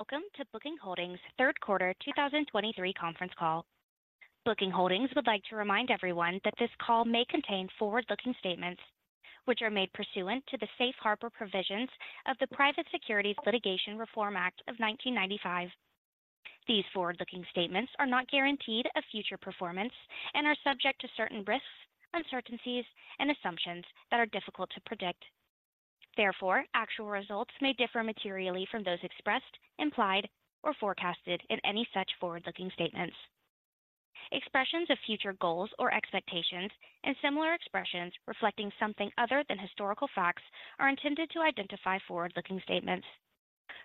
Welcome to Booking Holdings' Third Quarter 2023 Conference Call. Booking Holdings would like to remind everyone that this call may contain forward-looking statements, which are made pursuant to the Safe Harbor provisions of the Private Securities Litigation Reform Act of 1995. These forward-looking statements are not guaranteed of future performance and are subject to certain risks, uncertainties, and assumptions that are difficult to predict. Therefore, actual results may differ materially from those expressed, implied, or forecasted in any such forward-looking statements. Expressions of future goals or expectations and similar expressions reflecting something other than historical facts, are intended to identify forward-looking statements.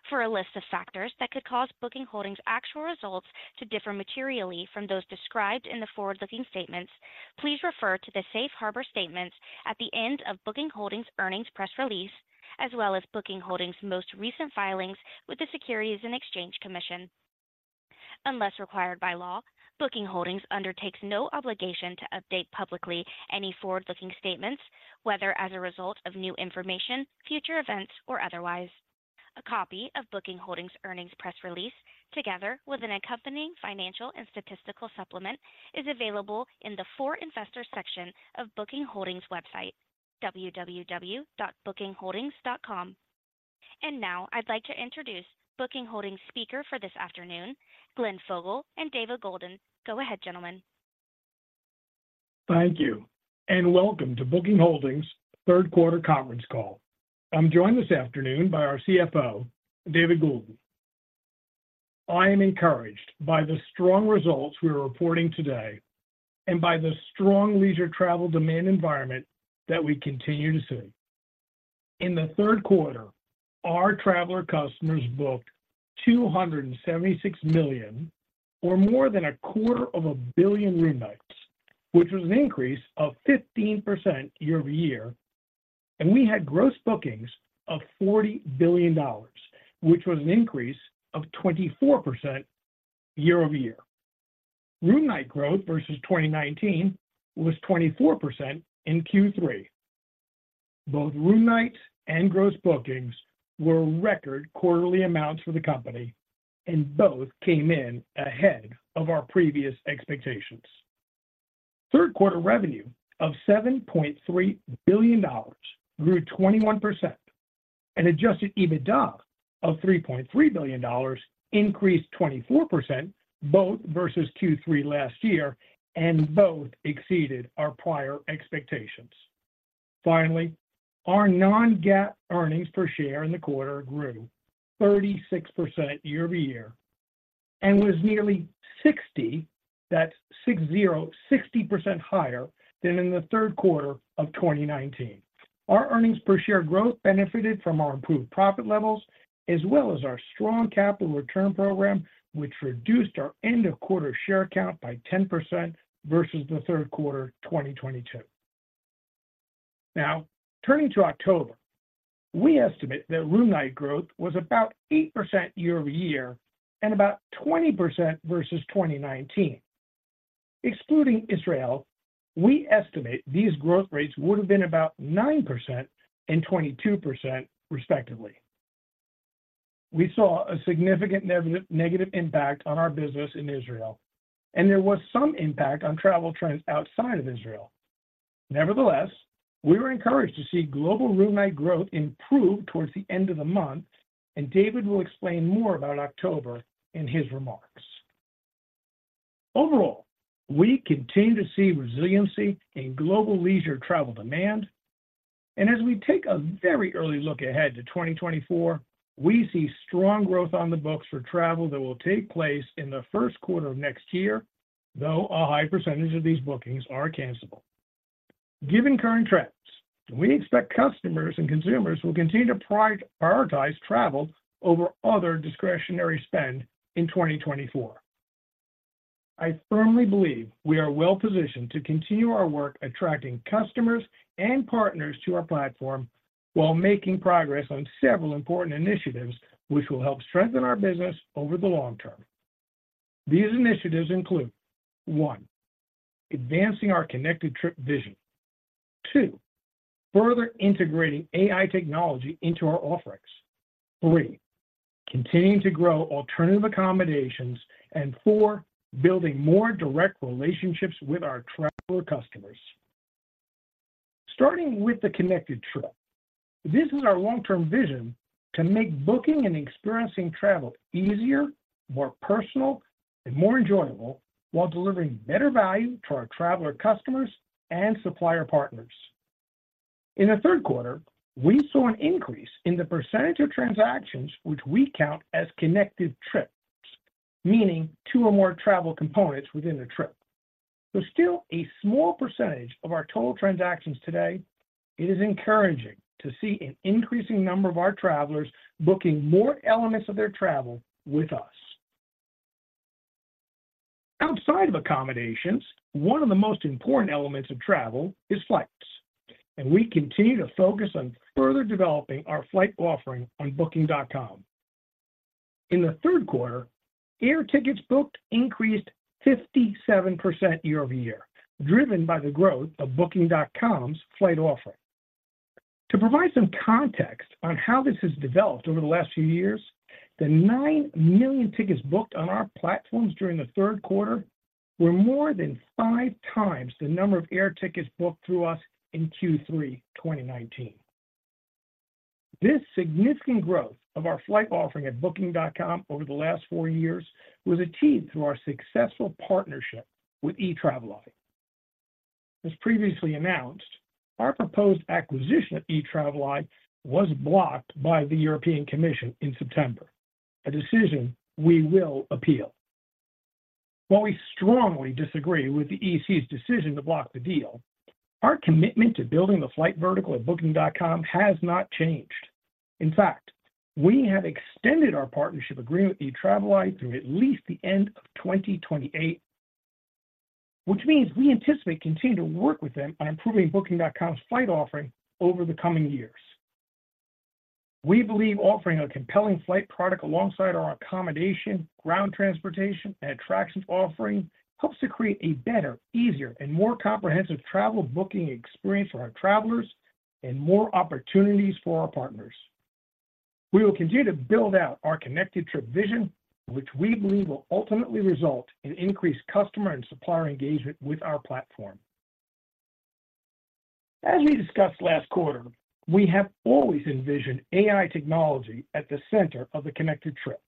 For a list of factors that could cause Booking Holdings' actual results to differ materially from those described in the forward-looking statements, please refer to the Safe Harbor statements at the end of Booking Holdings' earnings press release, as well as Booking Holdings' most recent filings with the Securities and Exchange Commission. Unless required by law, Booking Holdings undertakes no obligation to update publicly any forward-looking statements, whether as a result of new information, future events, or otherwise. A copy of Booking Holdings' earnings press release, together with an accompanying financial and statistical supplement, is available in the For Investors section of Booking Holdings' website, www.bookingholdings.com. Now I'd like to introduce Booking Holdings' speaker for this afternoon, Glenn Fogel and David Goulden. Go ahead, gentlemen. Thank you, and welcome to Booking Holdings' third quarter conference call. I'm joined this afternoon by our CFO, David Goulden. I am encouraged by the strong results we are reporting today and by the strong leisure travel demand environment that we continue to see. In the third quarter, our traveler customers booked 276 million, or more than a quarter of a billion room nights, which was an increase of 15% year-over-year, and we had gross bookings of $40 billion, which was an increase of 24% year-over-year. Room night growth versus 2019 was 24% in Q3. Both room nights and gross bookings were record quarterly amounts for the company, and both came in ahead of our previous expectations. Third quarter revenue of $7.3 billion grew 21%, and adjusted EBITDA of $3.3 billion increased 24%, both versus Q3 last year, and both exceeded our prior expectations. Finally, our non-GAAP earnings per share in the quarter grew 36% year-over-year and was nearly 60% higher than in the third quarter of 2019. Our earnings per share growth benefited from our improved profit levels, as well as our strong capital return program, which reduced our end-of-quarter share count by 10% versus the third quarter of 2022. Now, turning to October, we estimate that room night growth was about 8% year-over-year and about 20% versus 2019. Excluding Israel, we estimate these growth rates would have been about 9% and 22%, respectively. We saw a significant negative impact on our business in Israel, and there was some impact on travel trends outside of Israel. Nevertheless, we were encouraged to see global room night growth improve towards the end of the month, and David will explain more about October in his remarks. Overall, we continue to see resiliency in global leisure travel demand, and as we take a very early look ahead to 2024, we see strong growth on the books for travel that will take place in the first quarter of next year, though a high percentage of these bookings are cancelable. Given current trends, we expect customers and consumers will continue to prioritize travel over other discretionary spend in 2024. I firmly believe we are well positioned to continue our work attracting customers and partners to our platform while making progress on several important initiatives, which will help strengthen our business over the long term. These initiatives include: one, advancing our Connected Trip vision. Two, further integrating AI technology into our offerings. Three, continuing to grow Alternative Accommodations. And four, building more direct relationships with our traveler customers. Starting with the Connected Trip, this is our long-term vision to make booking and experiencing travel easier, more personal, and more enjoyable while delivering better value to our traveler customers and supplier partners. In the third quarter, we saw an increase in the percentage of transactions which we count as Connected Trips, meaning two or more travel components within a trip. So still a small percentage of our total transactions today, it is encouraging to see an increasing number of our travelers booking more elements of their travel with us. Outside of accommodations, one of the most important elements of travel is flights, and we continue to focus on further developing our flight offering on Booking.com. In the third quarter, air tickets booked increased 57% year-over-year, driven by the growth of Booking.com's flight offering. To provide some context on how this has developed over the last few years, the 9 million tickets booked on our platforms during the third quarter were more than five times the number of air tickets booked through us in Q3 2019. This significant growth of our flight offering at Booking.com over the last four years was achieved through our successful partnership with Etraveli. As previously announced, our proposed acquisition of Etraveli was blocked by the European Commission in September, a decision we will appeal. While we strongly disagree with the EC's decision to block the deal, our commitment to building the flight vertical at Booking.com has not changed. In fact, we have extended our partnership agreement with Etraveli through at least the end of 2028, which means we anticipate continuing to work with them on improving Booking.com's flight offering over the coming years. We believe offering a compelling flight product alongside our accommodation, ground transportation, and attractions offering helps to create a better, easier, and more comprehensive travel booking experience for our travelers and more opportunities for our partners. We will continue to build out our Connected Trip vision, which we believe will ultimately result in increased customer and supplier engagement with our platform. As we discussed last quarter, we have always envisioned AI technology at the center of the connected trip.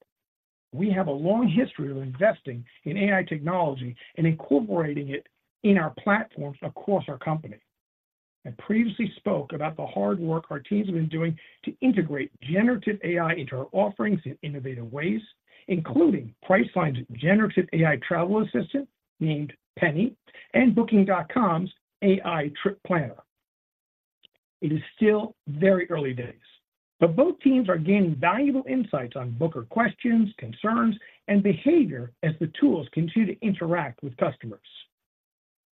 We have a long history of investing in AI technology and incorporating it in our platforms across our company. I previously spoke about the hard work our teams have been doing to generative AI into our offerings in innovative ways, including generative AI travel assistant, named Penny, and Booking.com's AI trip planner. It is still very early days, but both teams are gaining valuable insights on booker questions, concerns, and behavior as the tools continue to interact with customers.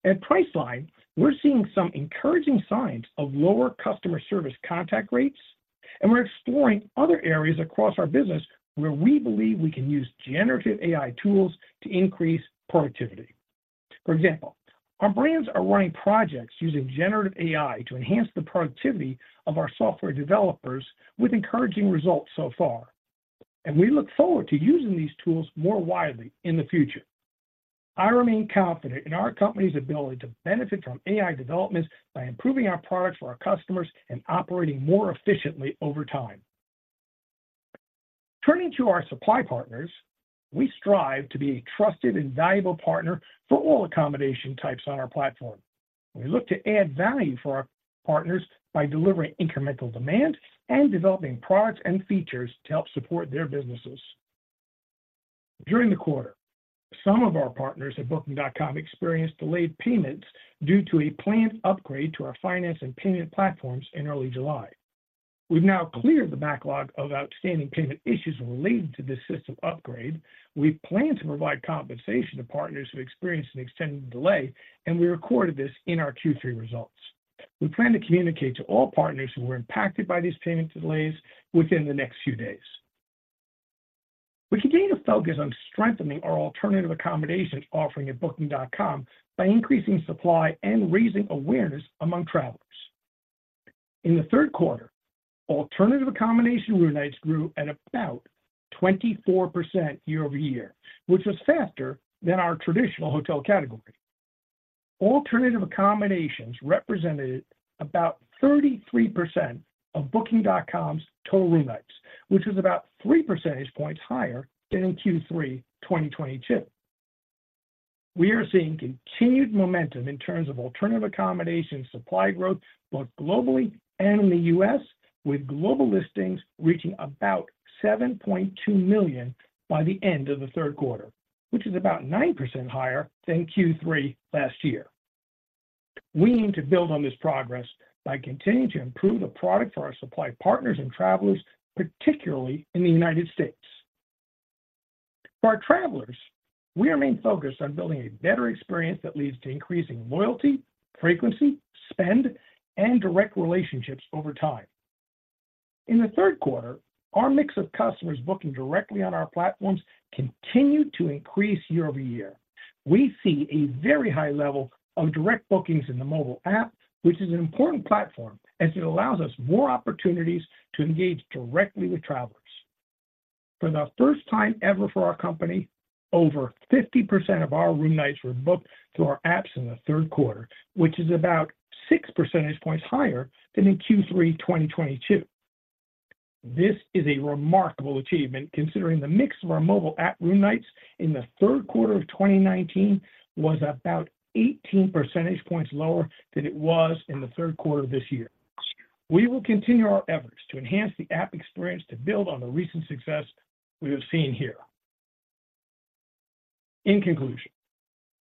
At Priceline, we're seeing some encouraging signs of lower customer service contact rates, and we're exploring other areas across our business where we believe we can generative AI tools to increase productivity. For example, our brands are running projects generative AI to enhance the productivity of our software developers with encouraging results so far, and we look forward to using these tools more widely in the future. I remain confident in our company's ability to benefit from AI developments by improving our products for our customers and operating more efficiently over time. Turning to our supply partners, we strive to be a trusted and valuable partner for all accommodation types on our platform. We look to add value for our partners by delivering incremental demand and developing products and features to help support their businesses. During the quarter, some of our partners at Booking.com experienced delayed payments due to a planned upgrade to our finance and payment platforms in early July. We've now cleared the backlog of outstanding payment issues related to this system upgrade. We plan to provide compensation to partners who experienced an extended delay, and we recorded this in our Q3 results. We plan to communicate to all partners who were impacted by these payment delays within the next few days. We continue to focus on strengthening our alternative accommodation offering at Booking.com by increasing supply and raising awareness among travelers. In the third quarter, alternative accommodation room nights grew at about 24% year-over-year, which was faster than our traditional hotel category. Alternative accommodations represented about 33% of Booking.com's total room nights, which is about three percentage points higher than in Q3 2022. We are seeing continued momentum in terms of alternative accommodation supply growth, both globally and in the U.S., with global listings reaching about 7.2 million by the end of the third quarter, which is about 9% higher than Q3 last year. We aim to build on this progress by continuing to improve the product for our supply partners and travelers, particularly in the United States. For our travelers, we remain focused on building a better experience that leads to increasing loyalty, frequency, spend, and direct relationships over time. In the third quarter, our mix of customers booking directly on our platforms continued to increase year-over-year. We see a very high level of direct bookings in the mobile app, which is an important platform as it allows us more opportunities to engage directly with travelers. For the first time ever for our company, over 50% of our room nights were booked through our apps in the third quarter, which is about six percentage points higher than in Q3 2022. This is a remarkable achievement, considering the mix of our mobile app room nights in the third quarter of 2019 was about 18 percentage points lower than it was in the third quarter of this year. We will continue our efforts to enhance the app experience to build on the recent success we have seen here. In conclusion,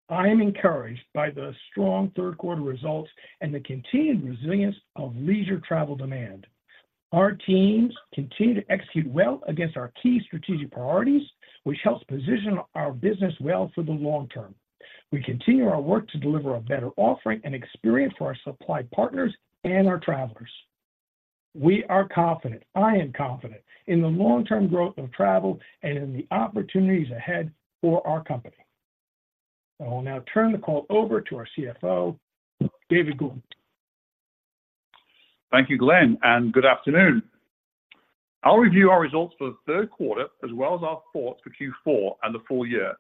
I am encouraged by the strong third quarter results and the continued resilience of leisure travel demand. Our teams continue to execute well against our key strategic priorities, which helps position our business well for the long term. We continue our work to deliver a better offering and experience for our supply partners and our travelers. We are confident, I am confident, in the long-term growth of travel and in the opportunities ahead for our company. I will now turn the call over to our CFO, David Goulden. Thank you, Glenn, and good afternoon. I'll review our results for the third quarter, as well as our thoughts for Q4 and the full year.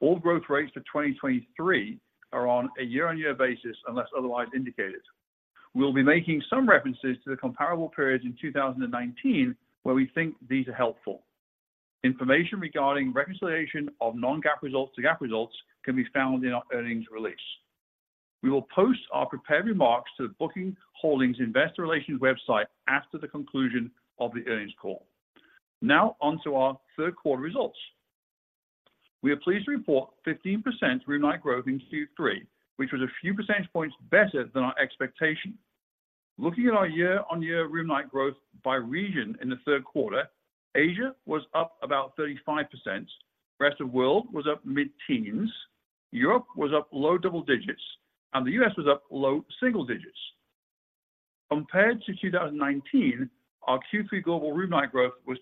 All growth rates for 2023 are on a year-on-year basis, unless otherwise indicated. We'll be making some references to the comparable periods in 2019, where we think these are helpful. Information regarding reconciliation of Non-GAAP results to GAAP results can be found in our earnings release. We will post our prepared remarks to the Booking Holdings Investor Relations website after the conclusion of the earnings call. Now, on to our third quarter results. We are pleased to report 15% room night growth in Q3, which was a few percentage points better than our expectation. Looking at our year-on-year room night growth by region in the third quarter, Asia was up about 35%, rest of world was up mid-teens, Europe was up low double digits, and the US was up low single digits. Compared to 2019, our Q3 global room night growth was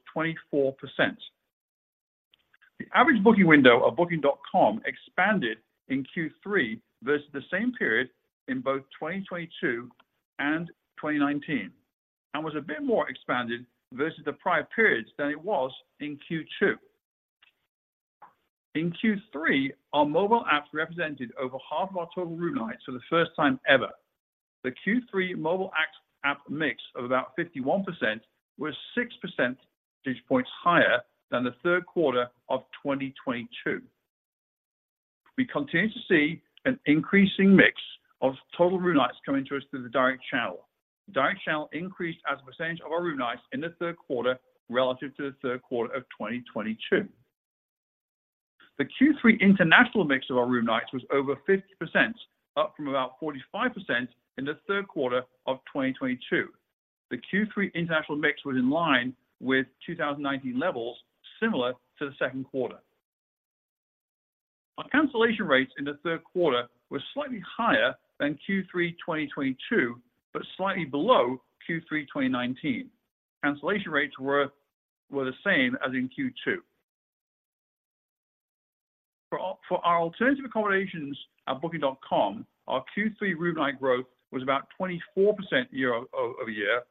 24%. The average booking window of Booking.com expanded in Q3 versus the same period in both 2022 and 2019, and was a bit more expanded versus the prior periods than it was in Q2. In Q3, our mobile apps represented over half of our total room nights for the first time ever. The Q3 mobile app mix of about 51% was six percentage points higher than the third quarter of 2022. We continue to see an increasing mix of total room nights coming to us through the direct channel. Direct channel increased as a percentage of our room nights in the third quarter relative to the third quarter of 2022. The Q3 international mix of our room nights was over 50%, up from about 45% in the third quarter of 2022. The Q3 international mix was in line with 2019 levels, similar to the second quarter. Our cancellation rates in the third quarter were slightly higher than Q3 2022, but slightly below Q3 2019. Cancellation rates were the same as in Q2. For our alternative accommodations at Booking.com, our Q3 room night growth was about 24% year-over-year,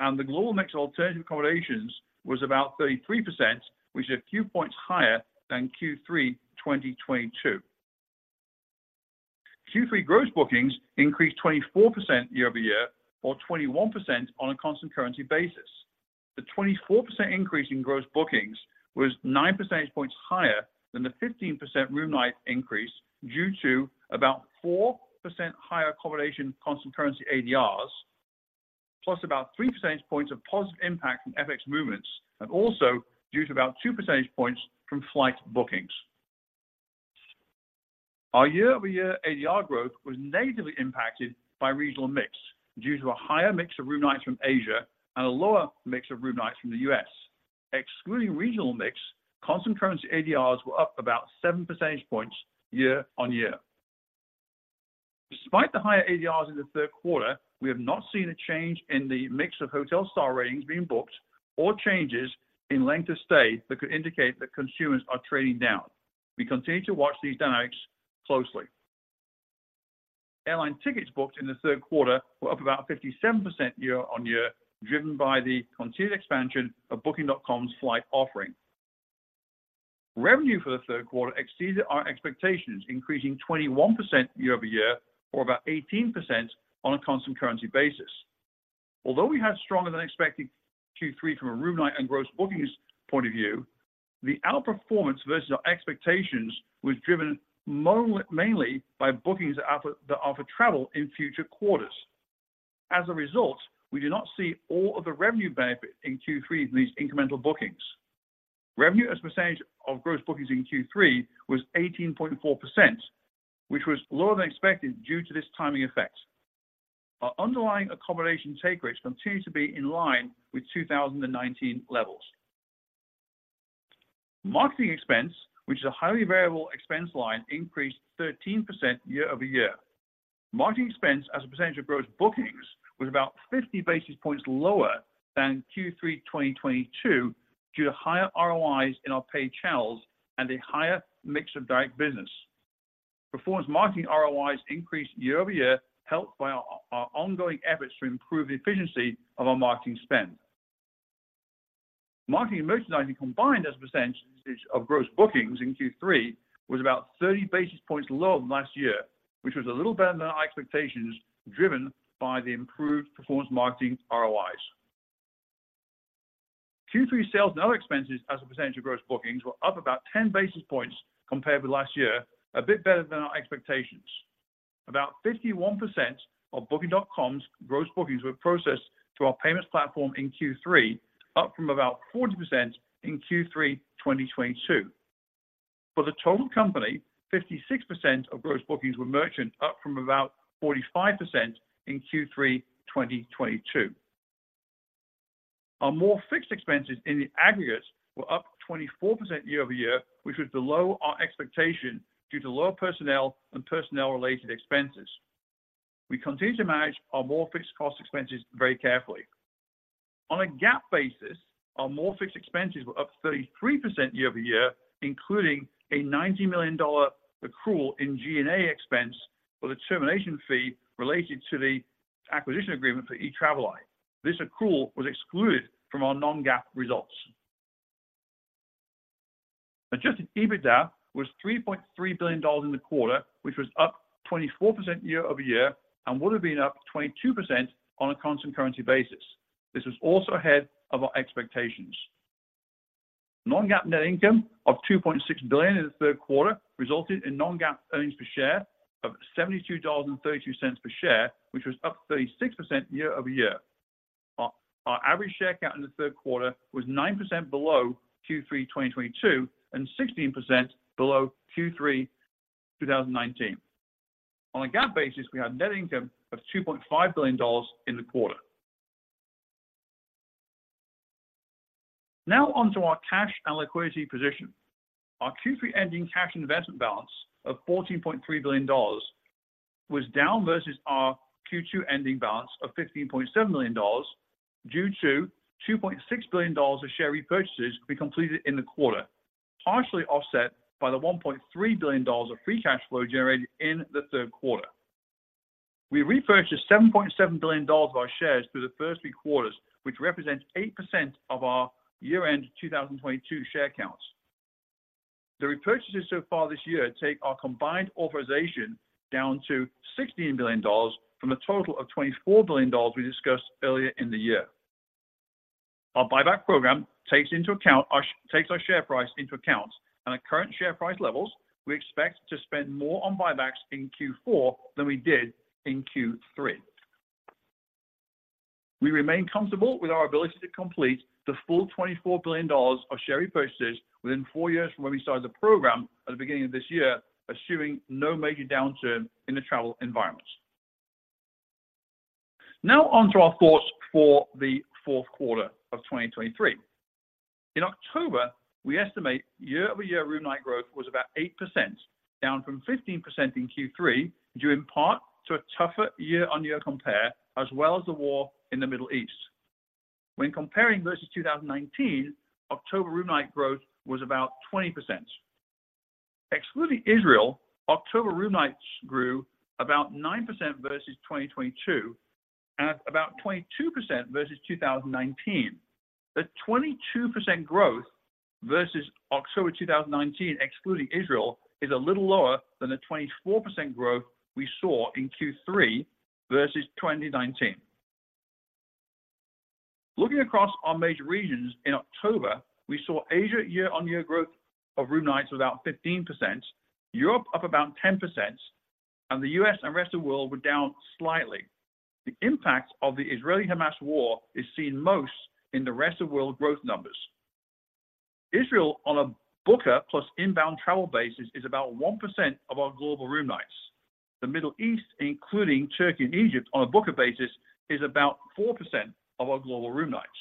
and the global mix alternative accommodations was about 33%, which is a few points higher than Q3 2022. Q3 gross bookings increased 24% year-over-year, or 21% on a constant currency basis. The 24% increase in gross bookings was 9 percentage points higher than the 15% room night increase, due to about 4% higher accommodation constant currency ADRs, plus about three percentage points of positive impact from FX movements, and also due to about two percentage points from flight bookings. Our year-over-year ADR growth was negatively impacted by regional mix, due to a higher mix of room nights from Asia and a lower mix of room nights from the U.S. Excluding regional mix, constant currency ADRs were up about seven percentage points year-over-year. Despite the higher ADRs in the third quarter, we have not seen a change in the mix of hotel star ratings being booked or changes in length of stay that could indicate that consumers are trading down. We continue to watch these dynamics closely. Airline tickets booked in the third quarter were up about 57% year-over-year, driven by the continued expansion of Booking.com's flight offering. Revenue for the third quarter exceeded our expectations, increasing 21% year-over-year, or about 18% on a constant currency basis. Although we had stronger than expected Q3 from a room night and gross bookings point of view, the outperformance versus our expectations was driven mainly by bookings that offer travel in future quarters. As a result, we do not see all of the revenue benefit in Q3 from these incremental bookings. Revenue as a percentage of gross bookings in Q3 was 18.4%, which was lower than expected due to this timing effect. Our underlying accommodation take rates continue to be in line with 2019 levels. Marketing expense, which is a highly variable expense line, increased 13% year-over-year. Marketing expense as a percentage of gross bookings was about 50 basis points lower than Q3 2022, due to higher ROIs in our paid channels and a higher mix of direct business. Performance marketing ROIs increased year-over-year, helped by our ongoing efforts to improve the efficiency of our marketing spend. Marketing and merchandising combined as a percentage of gross bookings in Q3 was about 30 basis points lower than last year, which was a little better than our expectations, driven by the improved performance marketing ROIs. Q3 sales and other expenses as a percentage of gross bookings were up about 10 basis points compared with last year, a bit better than our expectations. About 51% of Booking.com's gross bookings were processed through our payments platform in Q3, up from about 40% in Q3 2022. For the total company, 56% of gross bookings were merchant, up from about 45% in Q3 2022. Our marketing expenses in the aggregate were up 24% year-over-year, which was below our expectation, due to lower personnel and personnel-related expenses. We continue to manage our marketing expenses very carefully. On a GAAP basis, our marketing expenses were up 33% year-over-year, including a $90 million accrual in G&A expense for the termination fee related to the acquisition agreement for Etraveli. This accrual was excluded from our non-GAAP results. Adjusted EBITDA was $3.3 billion in the quarter, which was up 24% year-over-year, and would have been up 22% on a constant currency basis. This was also ahead of our expectations. Non-GAAP net income of $2.6 billion in the third quarter resulted in non-GAAP earnings per share of $72.32 per share, which was up 36% year-over-year. Our average share count in the third quarter was 9% below Q3 2022, and 16% below Q3 2019. On a GAAP basis, we had net income of $2.5 billion in the quarter. Now on to our cash and liquidity position. Our Q3 ending cash investment balance of $14.3 billion was down versus our Q2 ending balance of $15.7 million, due to $2.6 billion of share repurchases we completed in the quarter, partially offset by the $1.3 billion of free cash flow generated in the third quarter. We repurchased $7.7 billion of our shares through the first three quarters, which represents 8% of our year-end 2022 share counts. The repurchases so far this year take our combined authorization down to $16 billion from a total of $24 billion we discussed earlier in the year. Our buyback program takes into account our share price, and at current share price levels, we expect to spend more on buybacks in Q4 than we did in Q3. We remain comfortable with our ability to complete the full $24 billion of share repurchases within 4 years from when we started the program at the beginning of this year, assuming no major downturn in the travel environment. Now on to our thoughts for the fourth quarter of 2023. In October, we estimate year-over-year room night growth was about 8%, down from 15% in Q3, due in part to a tougher year-on-year compare, as well as the war in the Middle East. When comparing versus 2019, October room night growth was about 20%. Excluding Israel, October room nights grew about 9% versus 2022, and about 22% versus 2019. The 22% growth versus October 2019, excluding Israel, is a little lower than the 24% growth we saw in Q3 versus 2019. Looking across our major regions in October, we saw Asia year-on-year growth of room nights of about 15%, Europe up about 10%, and the US and rest of world were down slightly. The impact of the Israeli-Hamas war is seen most in the rest of world growth numbers. Israel, on a booker plus inbound travel basis, is about 1% of our global room nights. The Middle East, including Turkey and Egypt, on a booker basis, is about 4% of our global room nights.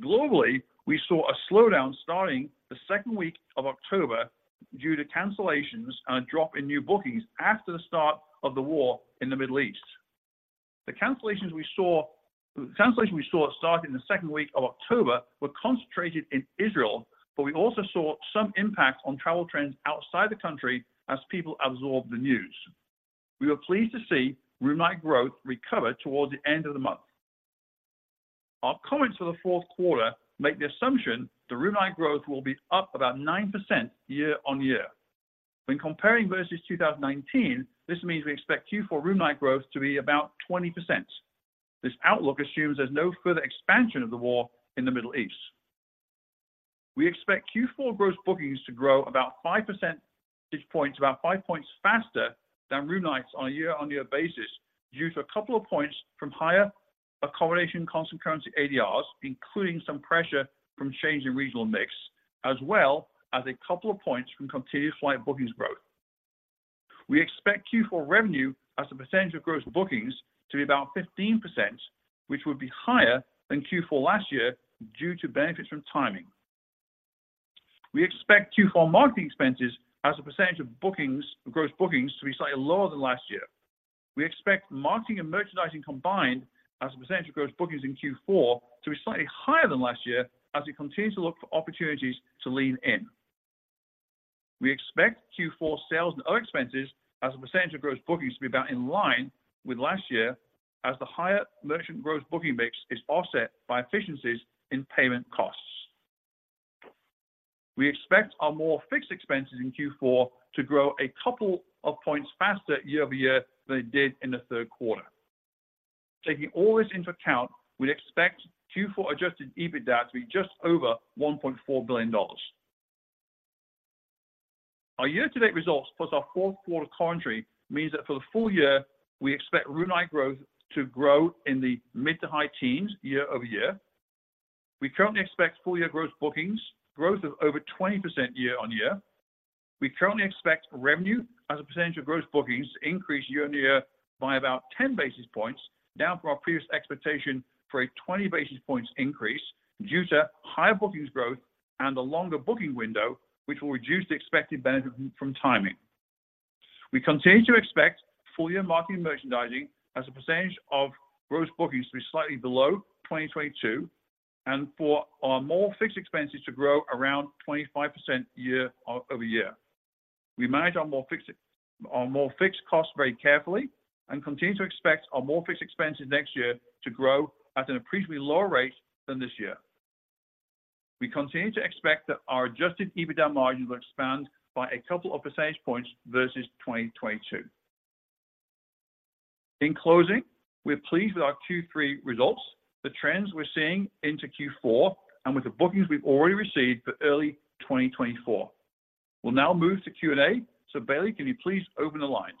Globally, we saw a slowdown starting the second week of October due to cancellations and a drop in new bookings after the start of the war in the Middle East. The cancellations we saw starting in the second week of October were concentrated in Israel, but we also saw some impact on travel trends outside the country as people absorbed the news. We were pleased to see room night growth recover towards the end of the month. Our comments for the fourth quarter make the assumption that room night growth will be up about 9% year-on-year. When comparing versus 2019, this means we expect Q4 room night growth to be about 20%. This outlook assumes there's no further expansion of the war in the Middle East. We expect Q4 gross bookings to grow about five percentage points, about five points faster than room nights on a year-on-year basis, due to a couple of points from higher accommodation constant currency ADRs, including some pressure from change in regional mix, as well as a couple of points from continued flight bookings growth. We expect Q4 revenue as a percentage of gross bookings to be about 15%, which would be higher than Q4 last year due to benefits from timing. We expect Q4 marketing expenses as a percentage of bookings, gross bookings, to be slightly lower than last year. We expect marketing and merchandising combined as a percentage of gross bookings in Q4 to be slightly higher than last year as we continue to look for opportunities to lean in. We expect Q4 sales and other expenses as a percentage of gross bookings to be about in line with last year, as the higher merchant gross booking mix is offset by efficiencies in payment costs. We expect our more fixed expenses in Q4 to grow a couple of points faster year-over-year than it did in the third quarter. Taking all this into account, we'd expect Q4 adjusted EBITDA to be just over $1.4 billion. Our year-to-date results plus our fourth quarter outlook means that for the full year, we expect room night growth to grow in the mid- to high-teens year-over-year. We currently expect full year gross bookings growth of over 20% year-over-year. We currently expect revenue as a percentage of gross bookings to increase year-over-year by about 10 basis points, down from our previous expectation for a 20 basis points increase due to higher bookings growth and a longer booking window, which will reduce the expected benefit from timing. We continue to expect full-year marketing merchandising as a percentage of gross bookings to be slightly below 2022, and for our more fixed expenses to grow around 25% year-over-year. We manage our more fixed costs very carefully and continue to expect our more fixed expenses next year to grow at an appreciably lower rate than this year. We continue to expect that our adjusted EBITDA margins will expand by a couple of percentage points versus 2022. In closing, we're pleased with our Q3 results, the trends we're seeing into Q4, and with the bookings we've already received for early 2024. We'll now move to Q&A. So Bailey, can you please open the lines?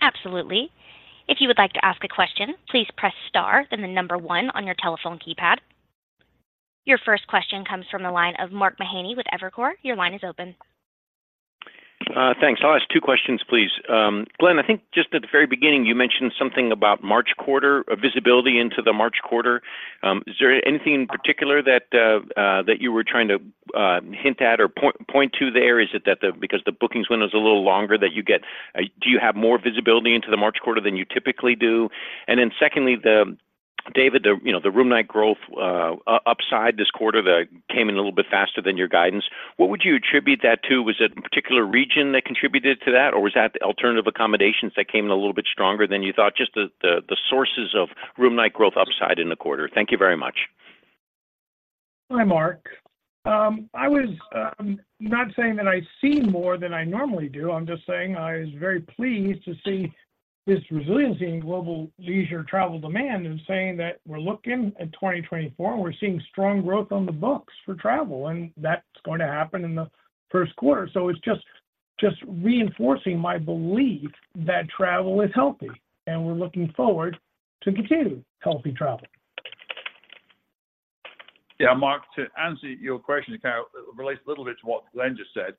Absolutely. If you would like to ask a question, please press star, then the number one on your telephone keypad. Your first question comes from the line of Mark Mahaney with Evercore. Your line is open. Thanks. I'll ask two questions, please. Glenn, I think just at the very beginning, you mentioned something about March quarter visibility into the March quarter. Is there anything in particular that you were trying to hint at or point to there? Is it that the because the bookings window is a little longer, that you get. Do you have more visibility into the March quarter than you typically do? And then secondly, David, you know, the room night growth upside this quarter, that came in a little bit faster than your guidance. What would you attribute that to? Was it a particular region that contributed to that, or was that the alternative accommodations that came in a little bit stronger than you thought? Just the sources of room night growth upside in the quarter. Thank you very much. Hi, Mark. I was not saying that I see more than I normally do. I'm just saying I was very pleased to see this resiliency in global leisure travel demand, and saying that we're looking at 2024, and we're seeing strong growth on the books for travel. That's going to happen in the first quarter. It's just, just reinforcing my belief that travel is healthy, and we're looking forward to continued healthy travel. Yeah, Mark, to answer your question, it kind of relates a little bit to what Glenn just said.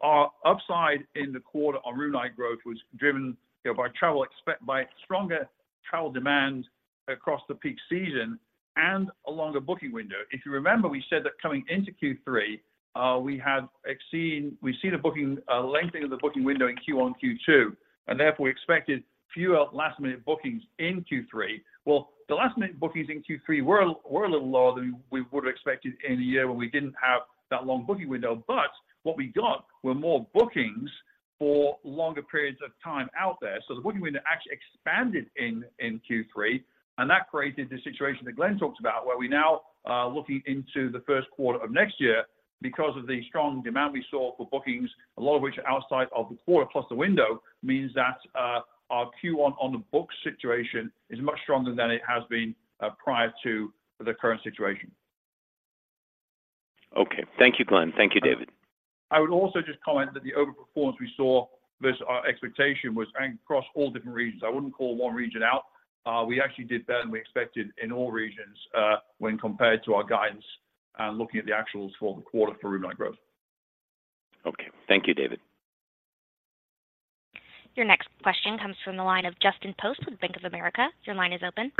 Our upside in the quarter on room night growth was driven by stronger travel demand across the peak season and a longer booking window. If you remember, we said that coming into Q3, we've seen a lengthening of the booking window in Q1, Q2, and therefore we expected fewer last-minute bookings in Q3. Well, the last-minute bookings in Q3 were a little lower than we would have expected in a year where we didn't have that long booking window. But what we got were more bookings for longer periods of time out there. So the booking window actually expanded in Q3, and that created this situation that Glenn talked about, where we now are looking into the first quarter of next year because of the strong demand we saw for bookings, a lot of which are outside of the quarter. Plus, the window means that our Q1 on the books situation is much stronger than it has been prior to the current situation. Okay. Thank you, Glenn. Thank you, David. I would also just comment that the overperformance we saw versus our expectation was across all different regions. I wouldn't call one region out. We actually did better than we expected in all regions, when compared to our guidance and looking at the actuals for the quarter for room night growth. Okay. Thank you, David. Your next question comes from the line of Justin Post with Bank of America. Your line is open.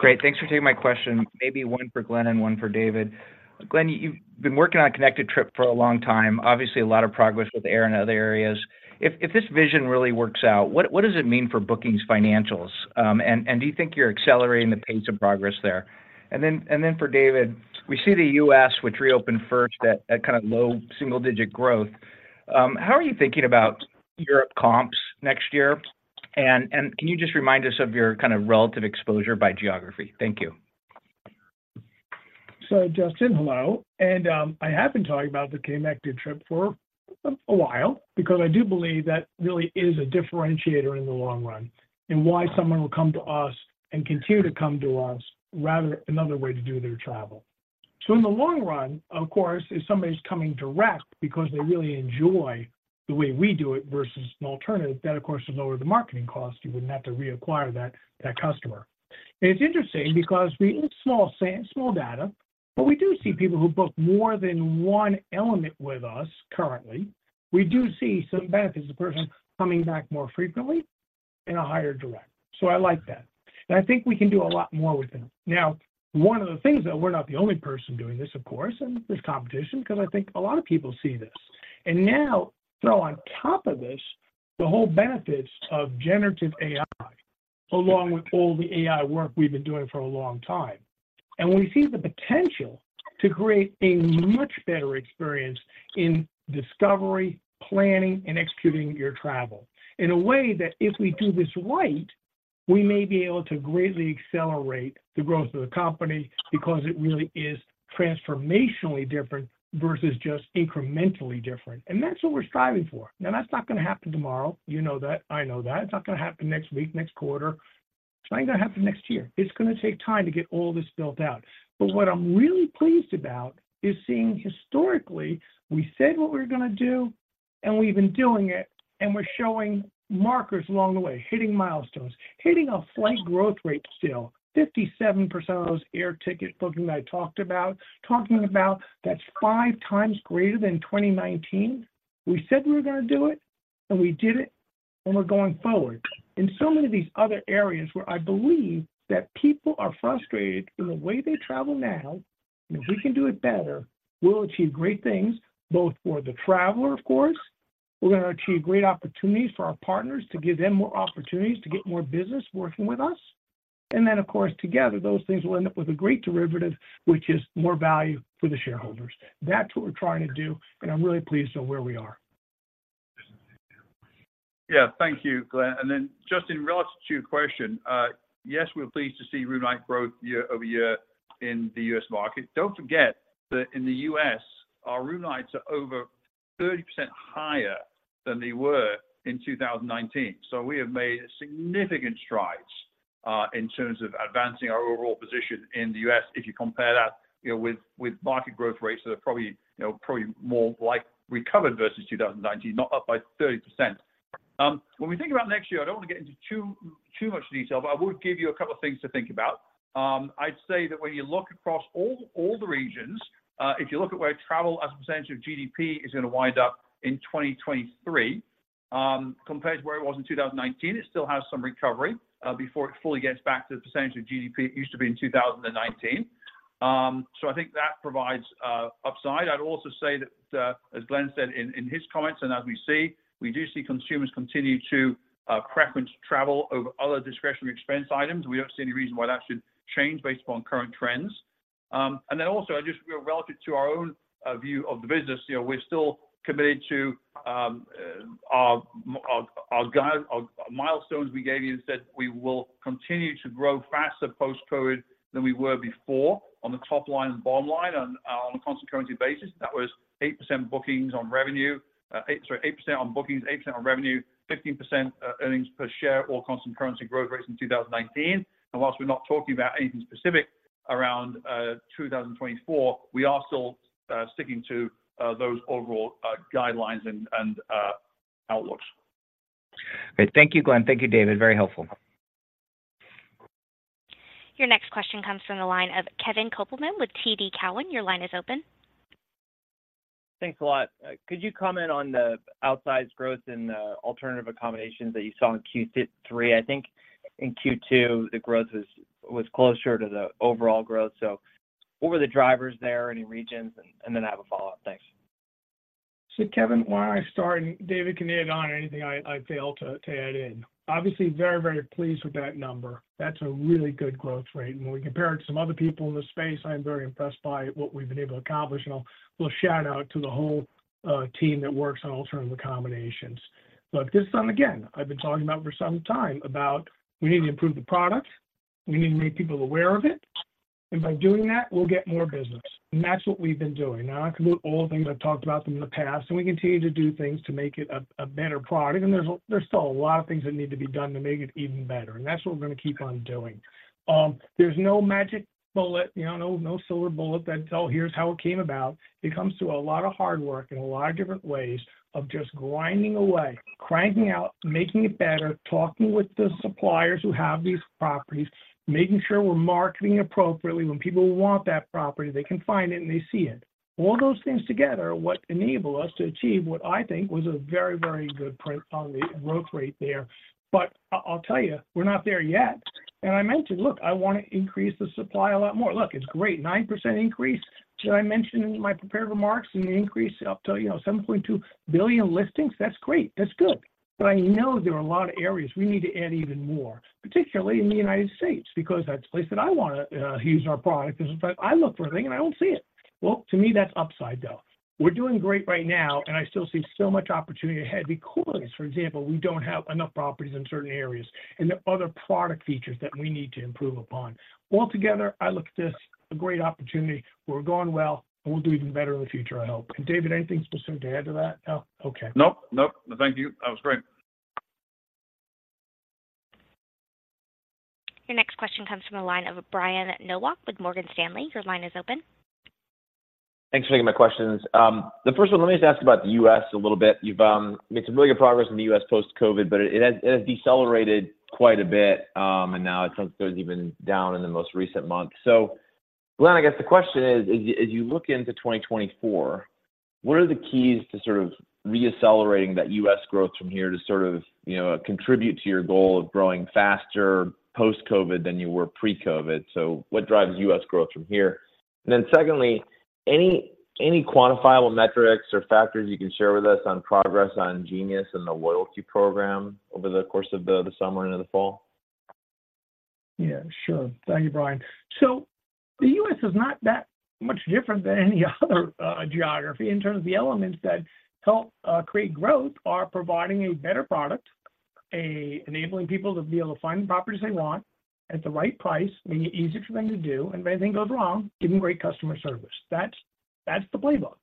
Great. Thanks for taking my question. Maybe one for Glenn and one for David. Glenn, you've been working on Connected Trip for a long time. Obviously, a lot of progress with air and other areas. If this vision really works out, what does it mean for Booking's financials? And do you think you're accelerating the pace of progress there? And then for David, we see the U.S., which reopened first, that kind of low double-digit growth. How are you thinking about Europe comps next year? And can you just remind us of your kind of relative exposure by geography? Thank you. So, Justin, hello. I have been talking about the Connected Trip for a while because I do believe that really is a differentiator in the long run, and why someone will come to us and continue to come to us rather than another way to do their travel. So in the long run, of course, if somebody's coming direct because they really enjoy the way we do it versus an alternative, that, of course, will lower the marketing cost. You wouldn't have to reacquire that, that customer. It's interesting because we small data, but we do see people who book more than one element with us currently. We do see some benefits of person coming back more frequently and a higher direct. So I like that, and I think we can do a lot more with them. Now, one of the things that we're not the only person doing this, of course, and there's competition because I think a lot of people see this. And now, throw on top of this, the whole benefits generative AI, along with all the AI work we've been doing for a long time. And we see the potential to create a much better experience in discovery, planning, and executing your travel. In a way that if we do this right, we may be able to greatly accelerate the growth of the company because it really is transformationally different versus just incrementally different. And that's what we're striving for. Now, that's not going to happen tomorrow. You know that. I know that. It's not going to happen next week, next quarter. It's not even going to happen next year. It's going to take time to get all this built out. But what I'm really pleased about is seeing historically, we said what we're gonna do, and we've been doing it, and we're showing markers along the way, hitting milestones, hitting a slight growth rate still. 57% of those air ticket bookings I talked about, talking about that's five times greater than 2019. We said we were gonna do it, and we did it... and we're going forward in so many of these other areas where I believe that people are frustrated in the way they travel now, and if we can do it better, we'll achieve great things, both for the traveler, of course. We're gonna achieve great opportunities for our partners to give them more opportunities to get more business working with us. And then, of course, together, those things will end up with a great derivative, which is more value for the shareholders. That's what we're trying to do, and I'm really pleased of where we are. Yeah, thank you, Glenn. Then just in relation to your question, yes, we're pleased to see room night growth year-over-year in the U.S. market. Don't forget that in the U.S., our room nights are over 30% higher than they were in 2019. We have made significant strides in terms of advancing our overall position in the U.S. If you compare that, you know, with market growth rates, they're probably, you know, probably more like recovered versus 2019, not up by 30%. When we think about next year, I don't want to get into too much detail, but I would give you a couple of things to think about. I'd say that when you look across all the regions, if you look at where travel as a percentage of GDP is gonna wind up in 2023, compared to where it was in 2019, it still has some recovery before it fully gets back to the percentage of GDP it used to be in 2019. So I think that provides upside. I'd also say that, as Glenn said in his comments and as we see, we do see consumers continue to preference travel over other discretionary expense items. We don't see any reason why that should change based upon current trends. And then also, I just, relative to our own view of the business, you know, we're still committed to our guide, our milestones we gave you, and said we will continue to grow faster post-COVID than we were before on the top line and bottom line on a constant currency basis. That was 8% on bookings, 8% on revenue, 15% earnings per share or constant currency growth rates in 2019. And while we're not talking about anything specific around 2024, we are still sticking to those overall guidelines and outlooks. Great. Thank you, Glenn. Thank you, David. Very helpful. Your next question comes from the line of Kevin Kopelman with TD Cowen. Your line is open. Thanks a lot. Could you comment on the outsized growth in the alternative accommodations that you saw in Q3? I think in Q2, the growth was closer to the overall growth. So what were the drivers there, any regions? Then I have a follow-up. Thanks. So, Kevin, why don't I start, and David can add on anything I fail to add in. Obviously very, very pleased with that number. That's a really good growth rate, and when we compare it to some other people in the space, I'm very impressed by what we've been able to accomplish. And a little shout-out to the whole team that works on alternative accommodations. Look, this time again, I've been talking about for some time about we need to improve the product. We need to make people aware of it, and by doing that, we'll get more business. And that's what we've been doing. Now, I can go through all the things I've talked about in the past, and we continue to do things to make it a better product, and there's still a lot of things that need to be done to make it even better, and that's what we're gonna keep on doing. There's no magic bullet, you know, no silver bullet that, oh, here's how it came about. It comes through a lot of hard work and a lot of different ways of just grinding away, cranking out, making it better, talking with the suppliers who have these properties, making sure we're marketing appropriately. When people want that property, they can find it, and they see it. All those things together are what enable us to achieve what I think was a very, very good growth rate there. But I'll tell you, we're not there yet, and I mentioned, look, I want to increase the supply a lot more. Look, it's great. 9% increase. Did I mention in my prepared remarks and the increase up to, you know, 7.2 billion listings? That's great. That's good. But I know there are a lot of areas we need to add even more, particularly in the United States, because that's the place that I wanna use our product. Because if I look for a thing, and I don't see it. Well, to me, that's upside, though. We're doing great right now, and I still see so much opportunity ahead because, for example, we don't have enough properties in certain areas, and there are other product features that we need to improve upon. Altogether, I look at this a great opportunity. We're going well, and we'll do even better in the future, I hope. And David, anything specific to add to that? No. Okay. Nope, nope. Thank you. That was great. Your next question comes from the line of Brian Nowak with Morgan Stanley. Your line is open. Thanks for taking my questions. The first one, let me just ask about the U.S. a little bit. You've made some really good progress in the U.S. post-COVID, but it has decelerated quite a bit, and now it seems to have even down in the most recent months. So Glenn, I guess the question is, as you look into 2024, what are the keys to sort of re-accelerating that U.S. growth from here to sort of, you know, contribute to your goal of growing faster post-COVID than you were pre-COVID? So what drives U.S. growth from here? And then secondly, any quantifiable metrics or factors you can share with us on progress on Genius and the loyalty program over the course of the summer into the fall? Yeah, sure. Thank you, Brian. So the U.S. is not that much different than any other geography. In terms of the elements that help create growth are providing a better product, enabling people to be able to find the properties they want at the right price, making it easier for them to do, and if anything goes wrong, giving great customer service. That's the playbook.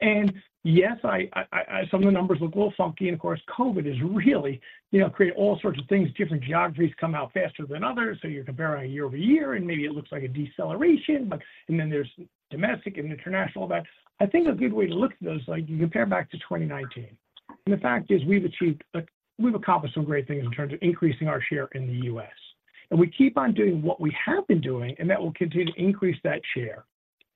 And yes, some of the numbers look a little funky, and of course, COVID has really, you know, created all sorts of things. Different geographies come out faster than others, so you compare a year-over-year, and maybe it looks like a deceleration, but, and then there's domestic and international events. I think a good way to look at those, like you compare back to 2019, and the fact is, we've accomplished some great things in terms of increasing our share in the US. We keep on doing what we have been doing, and that will continue to increase that share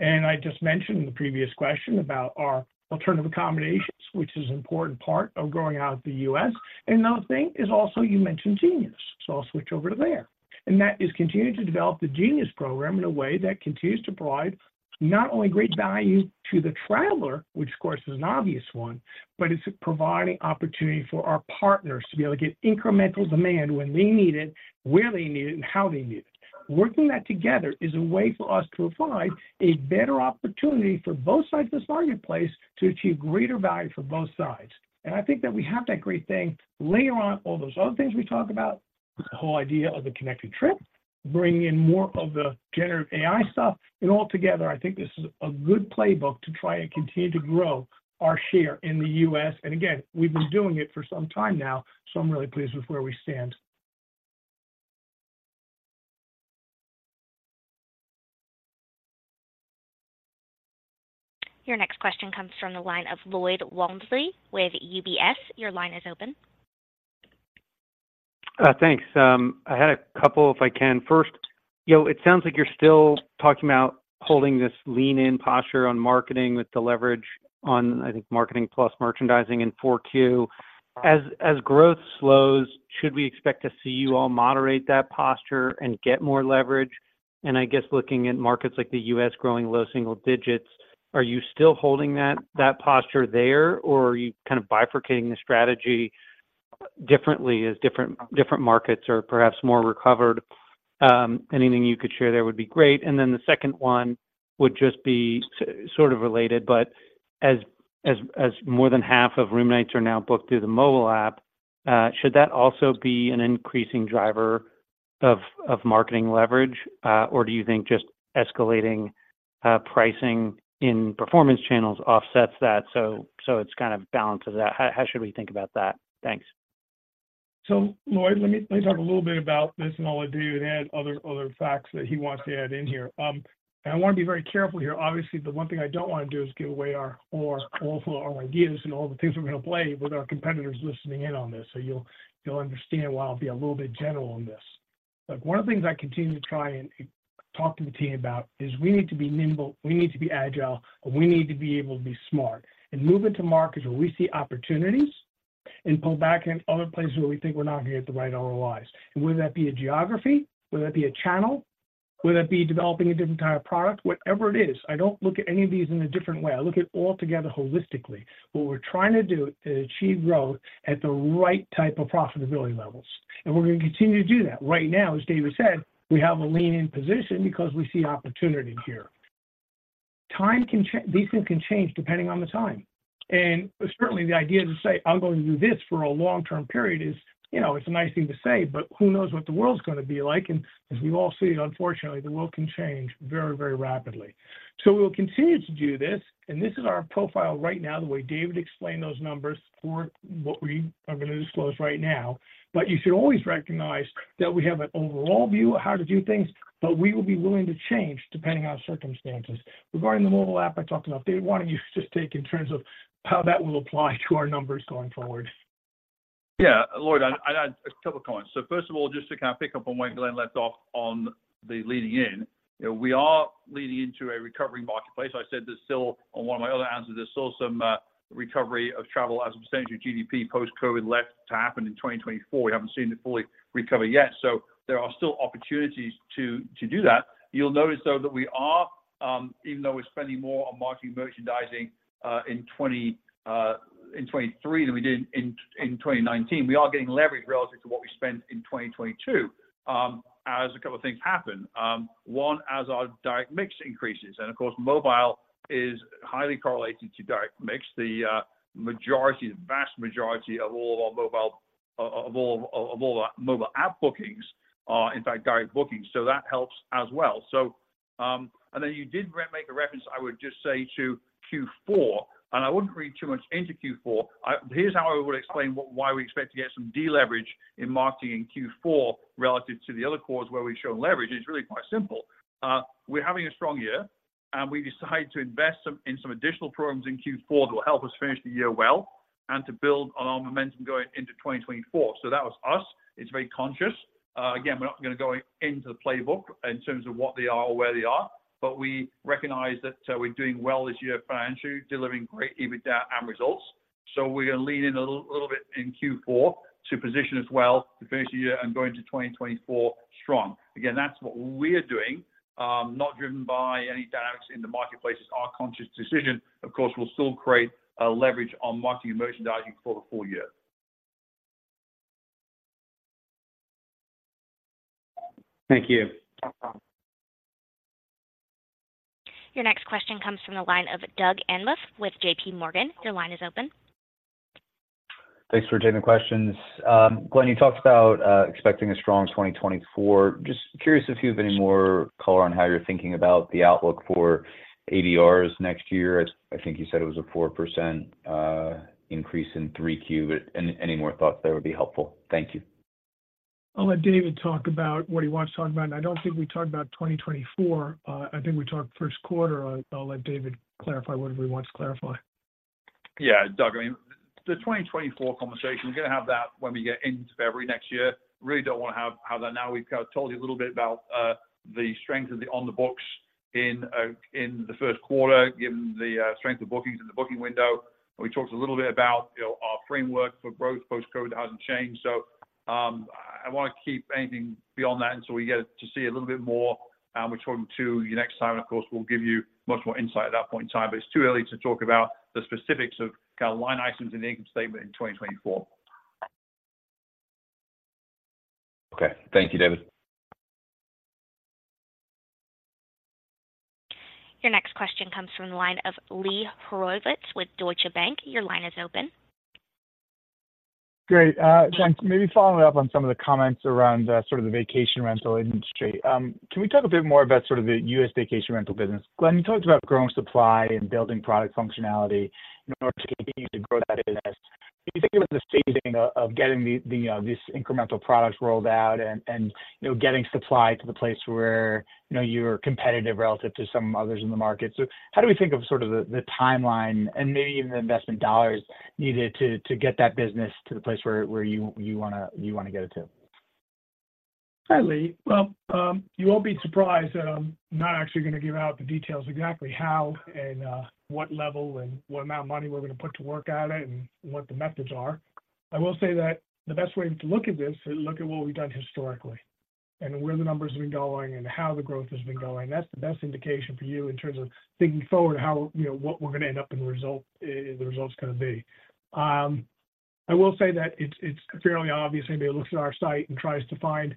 and I just mentioned in the previous question about our alternative accommodations, which is an important part of growing out the US. Another thing is also you mentioned Genius, so I'll switch over to there. That is continuing to develop the Genius program in a way that continues to provide not only great value to the traveler, which of course, is an obvious one, but it's providing opportunity for our partners to be able to get incremental demand when they need it, where they need it, and how they need it. Working that together is a way for us to provide a better opportunity for both sides of this marketplace to achieve greater value for both sides. And I think that we have that great thing layer on all those other things we talked about, the whole idea of the Connected Trip, bringing in more of generative AI stuff. And altogether, I think this is a good playbook to try and continue to grow our share in the U.S. And again, we've been doing it for some time now, so I'm really pleased with where we stand. Your next question comes from the line of Lloyd Walmsley with UBS. Your line is open. Thanks. I had a couple, if I can. First, you know, it sounds like you're still talking about holding this lean in posture on marketing with the leverage on, I think, marketing plus merchandising in 4Q. As, as growth slows, should we expect to see you all moderate that posture and get more leverage? And I guess looking at markets like the U.S. growing low single digits, are you still holding that, that posture there, or are you kind of bifurcating the strategy differently as different, different markets are perhaps more recovered? Anything you could share there would be great. Then the second one would just be sort of related, but as more than half of room nights are now booked through the mobile app, should that also be an increasing driver of marketing leverage, or do you think just escalating pricing in performance channels offsets that, so it's kind of balances that? How should we think about that? Thanks. So, Lloyd, let me let me talk a little bit about this, and I'll let David add other facts that he wants to add in here. I want to be very careful here. Obviously, the one thing I don't want to do is give away all of our ideas and all the things we're going to play with our competitors listening in on this. So you'll understand why I'll be a little bit general on this. But one of the things I continue to try and talk to the team about is we need to be nimble, we need to be agile, and we need to be able to be smart and move into markets where we see opportunities and pull back in other places where we think we're not going to get the right ROIs. And whether that be a geography, whether that be a channel, whether that be developing a different type of product, whatever it is, I don't look at any of these in a different way. I look at it all together holistically. What we're trying to do is achieve growth at the right type of profitability levels, and we're going to continue to do that. Right now, as David said, we have a lean in position because we see opportunity here. These things can change depending on the time. And certainly, the idea to say, "I'm going to do this for a long-term period," is, you know, it's a nice thing to say, but who knows what the world's going to be like? And as we've all seen, unfortunately, the world can change very, very rapidly. So we'll continue to do this, and this is our profile right now, the way David explained those numbers for what we are going to disclose right now. But you should always recognize that we have an overall view of how to do things, but we will be willing to change depending on circumstances. Regarding the mobile app I talked about, David, why don't you just take in terms of how that will apply to our numbers going forward? Yeah, Lloyd, I add a couple of comments. So first of all, just to kind of pick up on where Glenn left off on the leading in. You know, we are leading into a recovering marketplace. I said there's still, on one of my other answers, there's still some recovery of travel as a percentage of GDP post-COVID left to happen in 2024. We haven't seen it fully recover yet, so there are still opportunities to do that. You'll notice, though, that we are even though we're spending more on marketing merchandising in 2023 than we did in 2019, we are getting leverage relative to what we spent in 2022, as a couple of things happen. One, as our direct mix increases, and of course, mobile is highly correlated to direct mix. The vast majority of all our mobile app bookings are in fact direct bookings, so that helps as well. So, and then you did make a reference, I would just say to Q4, and I wouldn't read too much into Q4. Here's how I would explain why we expect to get some deleverage in marketing in Q4 relative to the other quarters, where we've shown leverage; it's really quite simple. We're having a strong year, and we decided to invest in some additional programs in Q4 that will help us finish the year well and to build on our momentum going into 2024. So that was us. It's very conscious. Again, we're not going to go into the playbook in terms of what they are or where they are, but we recognize that we're doing well this year financially, delivering great EBITDA and results. So we're going to lean in a little, little bit in Q4 to position us well to finish the year and go into 2024 strong. Again, that's what we're doing, not driven by any dynamics in the marketplace. It's our conscious decision, of course, we'll still create a leverage on marketing and merchandising for the full year. Thank you. Your next question comes from the line of Doug Anmuth with J.P. Morgan. Your line is open. Thanks for taking the questions. Glenn, you talked about expecting a strong 2024. Just curious if you have any more color on how you're thinking about the outlook for ADRs next year. I think you said it was a 4% increase in 3Q, but any more thoughts there would be helpful. Thank you. I'll let David talk about what he wants to talk about. I don't think we talked about 2024. I think we talked first quarter. I'll let David clarify whatever he wants to clarify. Yeah, Doug, I mean, the 2024 conversation, we're going to have that when we get into February next year. Really don't want to have, have that now. We've kind of told you a little bit about the strength of the on the books in the first quarter, given the strength of bookings in the booking window. And we talked a little bit about, you know, our framework for growth post-COVID hasn't changed. So, I want to keep anything beyond that until we get to see a little bit more, and we talk to you next time. Of course, we'll give you much more insight at that point in time, but it's too early to talk about the specifics of kind of line items in the income statement in 2024. Okay. Thank you, David. Your next question comes from the line of Etraveli Horowitz with Deutsche Bank. Your line is open. Great. Glenn, maybe following up on some of the comments around, sort of the vacation rental industry. Can we talk a bit more about sort of the U.S. vacation rental business? Glenn, you talked about growing supply and building product functionality in order to continue to grow that business. Can you think about the staging of getting these incremental products rolled out and, you know, getting supply to the place where, you know, you're competitive relative to some others in the market. So how do we think of sort of the timeline and maybe even the investment dollars needed to get that business to the place where you want to get it to? Hi, Lee. Well, you won't be surprised that I'm not actually going to give out the details exactly how and what level and what amount of money we're going to put to work at it and what the methods are. I will say that the best way to look at this is look at what we've done historically and where the numbers have been going and how the growth has been going. That's the best indication for you in terms of thinking forward, how, you know, what we're going to end up and the result, the results going to be. I will say that it's fairly obvious anybody who looks at our site and tries to find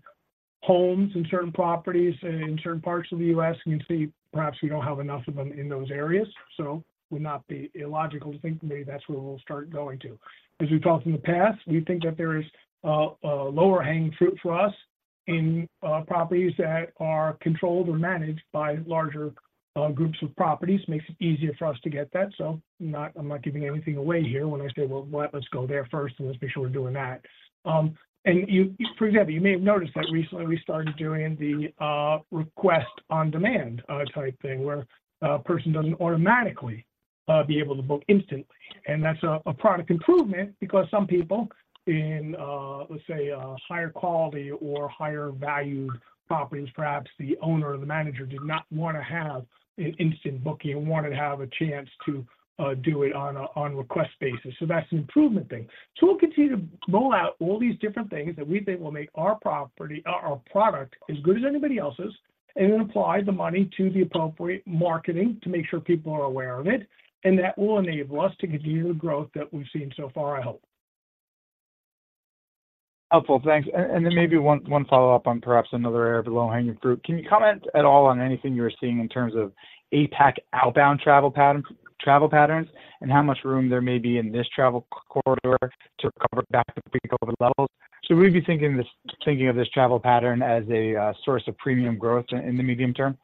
homes and certain properties in certain parts of the U.S., you can see perhaps we don't have enough of them in those areas, so it would not be illogical to think maybe that's where we'll start going to. As we've talked in the past, we think that there is a lower-hanging fruit for us in properties that are controlled or managed by larger groups of properties. Makes it easier for us to get that. So I'm not, I'm not giving anything away here when I say, "Well, let's go there first, and let's be sure we're doing that." And you, for example, you may have noticed that recently we started doing the, request on demand, type thing, where a person doesn't automatically, be able to book instantly. And that's a product improvement because some people in, let's say, a higher quality or higher value properties, perhaps the owner or the manager does not want to have an instant booking and wanted to have a chance to, do it on a on-request basis. So that's an improvement thing. We'll continue to roll out all these different things that we think will make our property, our product as good as anybody else's, and then apply the money to the appropriate marketing to make sure people are aware of it. That will enable us to continue the growth that we've seen so far, I hope. Helpful. Thanks. And then maybe one follow-up on perhaps another area of low-hanging fruit. Can you comment at all on anything you're seeing in terms of APAC outbound travel pattern, travel patterns and how much room there may be in this travel corridor to recover back to pre-COVID levels? So we'd be thinking this, thinking of this travel pattern as a source of premium growth in the medium term.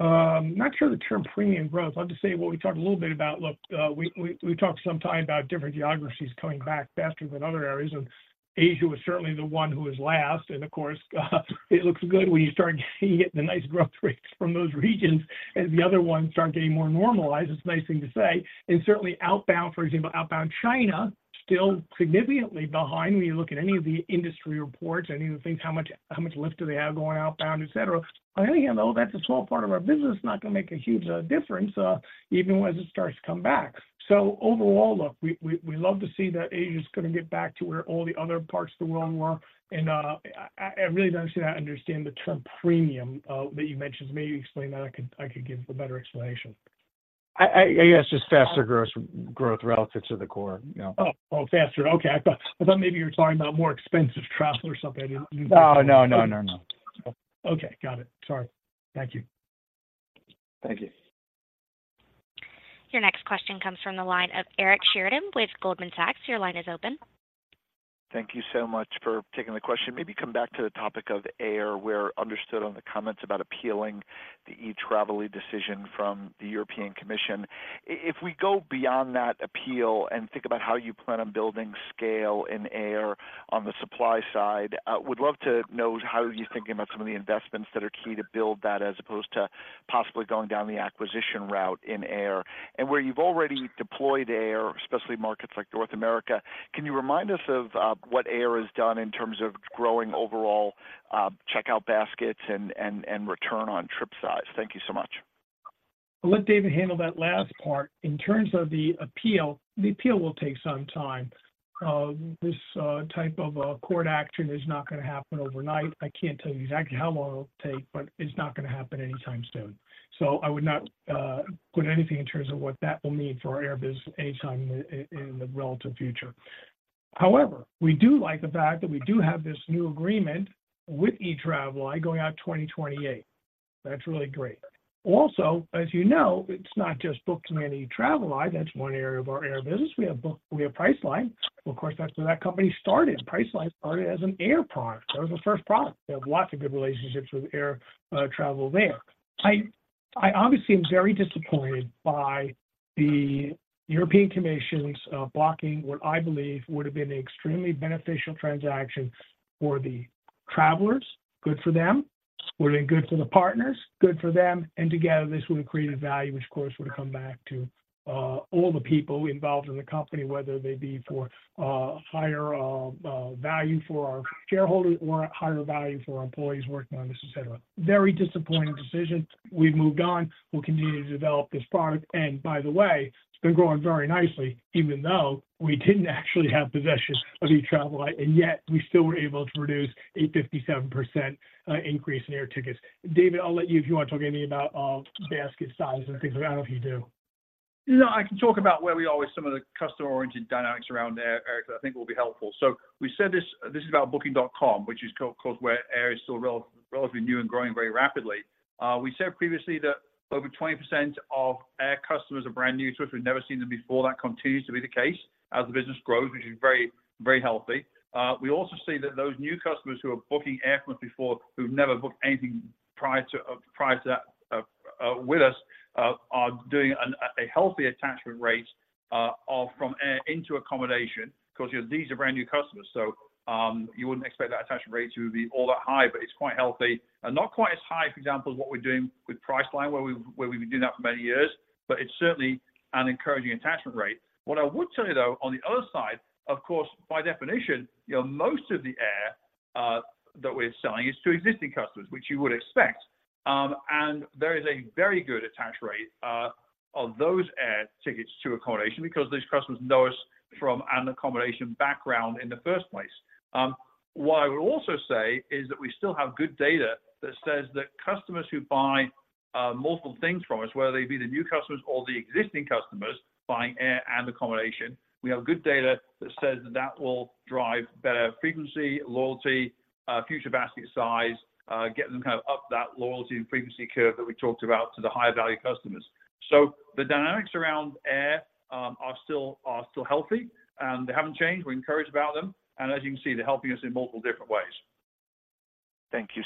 I'm not sure the term premium growth. I'll just say what we talked a little bit about, look, we talked some time about different geographies coming back faster than other areas, and Asia was certainly the one who was last. And of course, it looks good when you start getting the nice growth rates from those regions and the other ones start getting more normalized. It's a nice thing to say. And certainly outbound, for example, outbound China, still significantly behind. When you look at any of the industry reports, any of the things, how much lift do they have going outbound, et cetera. On the other hand, though, that's a small part of our business, not going to make a huge difference, even when it starts to come back. So overall, look, we love to see that Asia is going to get back to where all the other parts of the world were. And, I really don't see that understand the term premium that you mentioned. Maybe explain that, I could give a better explanation. I guess just faster growth, growth relative to the core, you know? Oh, faster. Okay. I thought maybe you were talking about more expensive travel or something. I didn't- No, no, no, no, no. Okay, got it. Sorry. Thank you. Thank you. Your next question comes from the line of Eric Sheridan with Goldman Sachs. Your line is open. Thank you so much for taking the question. Maybe come back to the topic of air, where understood on the comments about appealing the Etraveli decision from the European Commission. If we go beyond that appeal and think about how you plan on building scale in air on the supply side, would love to know how you're thinking about some of the investments that are key to build that, as opposed to possibly going down the acquisition route in air. And where you've already deployed air, especially markets like North America, can you remind us of what air has done in terms of growing overall checkout baskets and return on trip size? Thank you so much. I'll let David handle that last part. In terms of the appeal, the appeal will take some time. This type of a court action is not going to happen overnight. I can't tell you exactly how long it'll take, but it's not going to happen anytime soon. So I would not put anything in terms of what that will mean for our air business anytime in the relative future. However, we do like the fact that we do have this new agreement with Etraveli going out to 2028. That's really great. Also, as you know, it's not just Booking Etraveli, that's one area of our air business. We have Booking. We have Priceline. Of course, that's where that company started. Priceline started as an air product. That was the first product. They have lots of good relationships with air travel there. I obviously am very disappointed by the European Commission's blocking what I believe would have been an extremely beneficial transaction for the travelers. Good for them.... Would it good for the partners? Good for them, and together, this would have created value, which of course, would have come back to all the people involved in the company, whether they be for higher value for our shareholders or higher value for our employees working on this, et cetera. Very disappointing decision. We've moved on. We'll continue to develop this product, and by the way, it's been growing very nicely, even though we didn't actually have possession of eTravel, and yet we still were able to produce a 57% increase in air tickets. David, I'll let you, if you want to talk any about basket size and things like that, if you do. No, I can talk about where we are with some of the customer-oriented dynamics around air, Eric, that I think will be helpful. So we said this, this is about Booking.com, which is, of course, where air is still relatively, relatively new and growing very rapidly. We said previously that over 20% of air customers are brand new to us. We've never seen them before. That continues to be the case as the business grows, which is very, very healthy. We also see that those new customers who are booking air with us before, who've never booked anything prior to, prior to that, with us, are doing a healthy attachment rate, of from air into accommodation, because these are brand new customers. So, you wouldn't expect that attachment rate to be all that high, but it's quite healthy and not quite as high, for example, as what we're doing with Priceline, where we, where we've been doing that for many years, but it's certainly an encouraging attachment rate. What I would tell you, though, on the other side, of course, by definition, you know, most of the air that we're selling is to existing customers, which you would expect. There is a very good attach rate of those air tickets to accommodation because these customers know us from an accommodation background in the first place. What I would also say is that we still have good data that says that customers who buy multiple things from us, whether they be the new customers or the existing customers, buying air and accommodation, we have good data that says that will drive better frequency, loyalty, future basket size, get them kind of up that loyalty and frequency curve that we talked about to the higher value customers. So the dynamics around air are still healthy, and they haven't changed. We're encouraged about them, and as you can see, they're helping us in multiple different ways. Thank you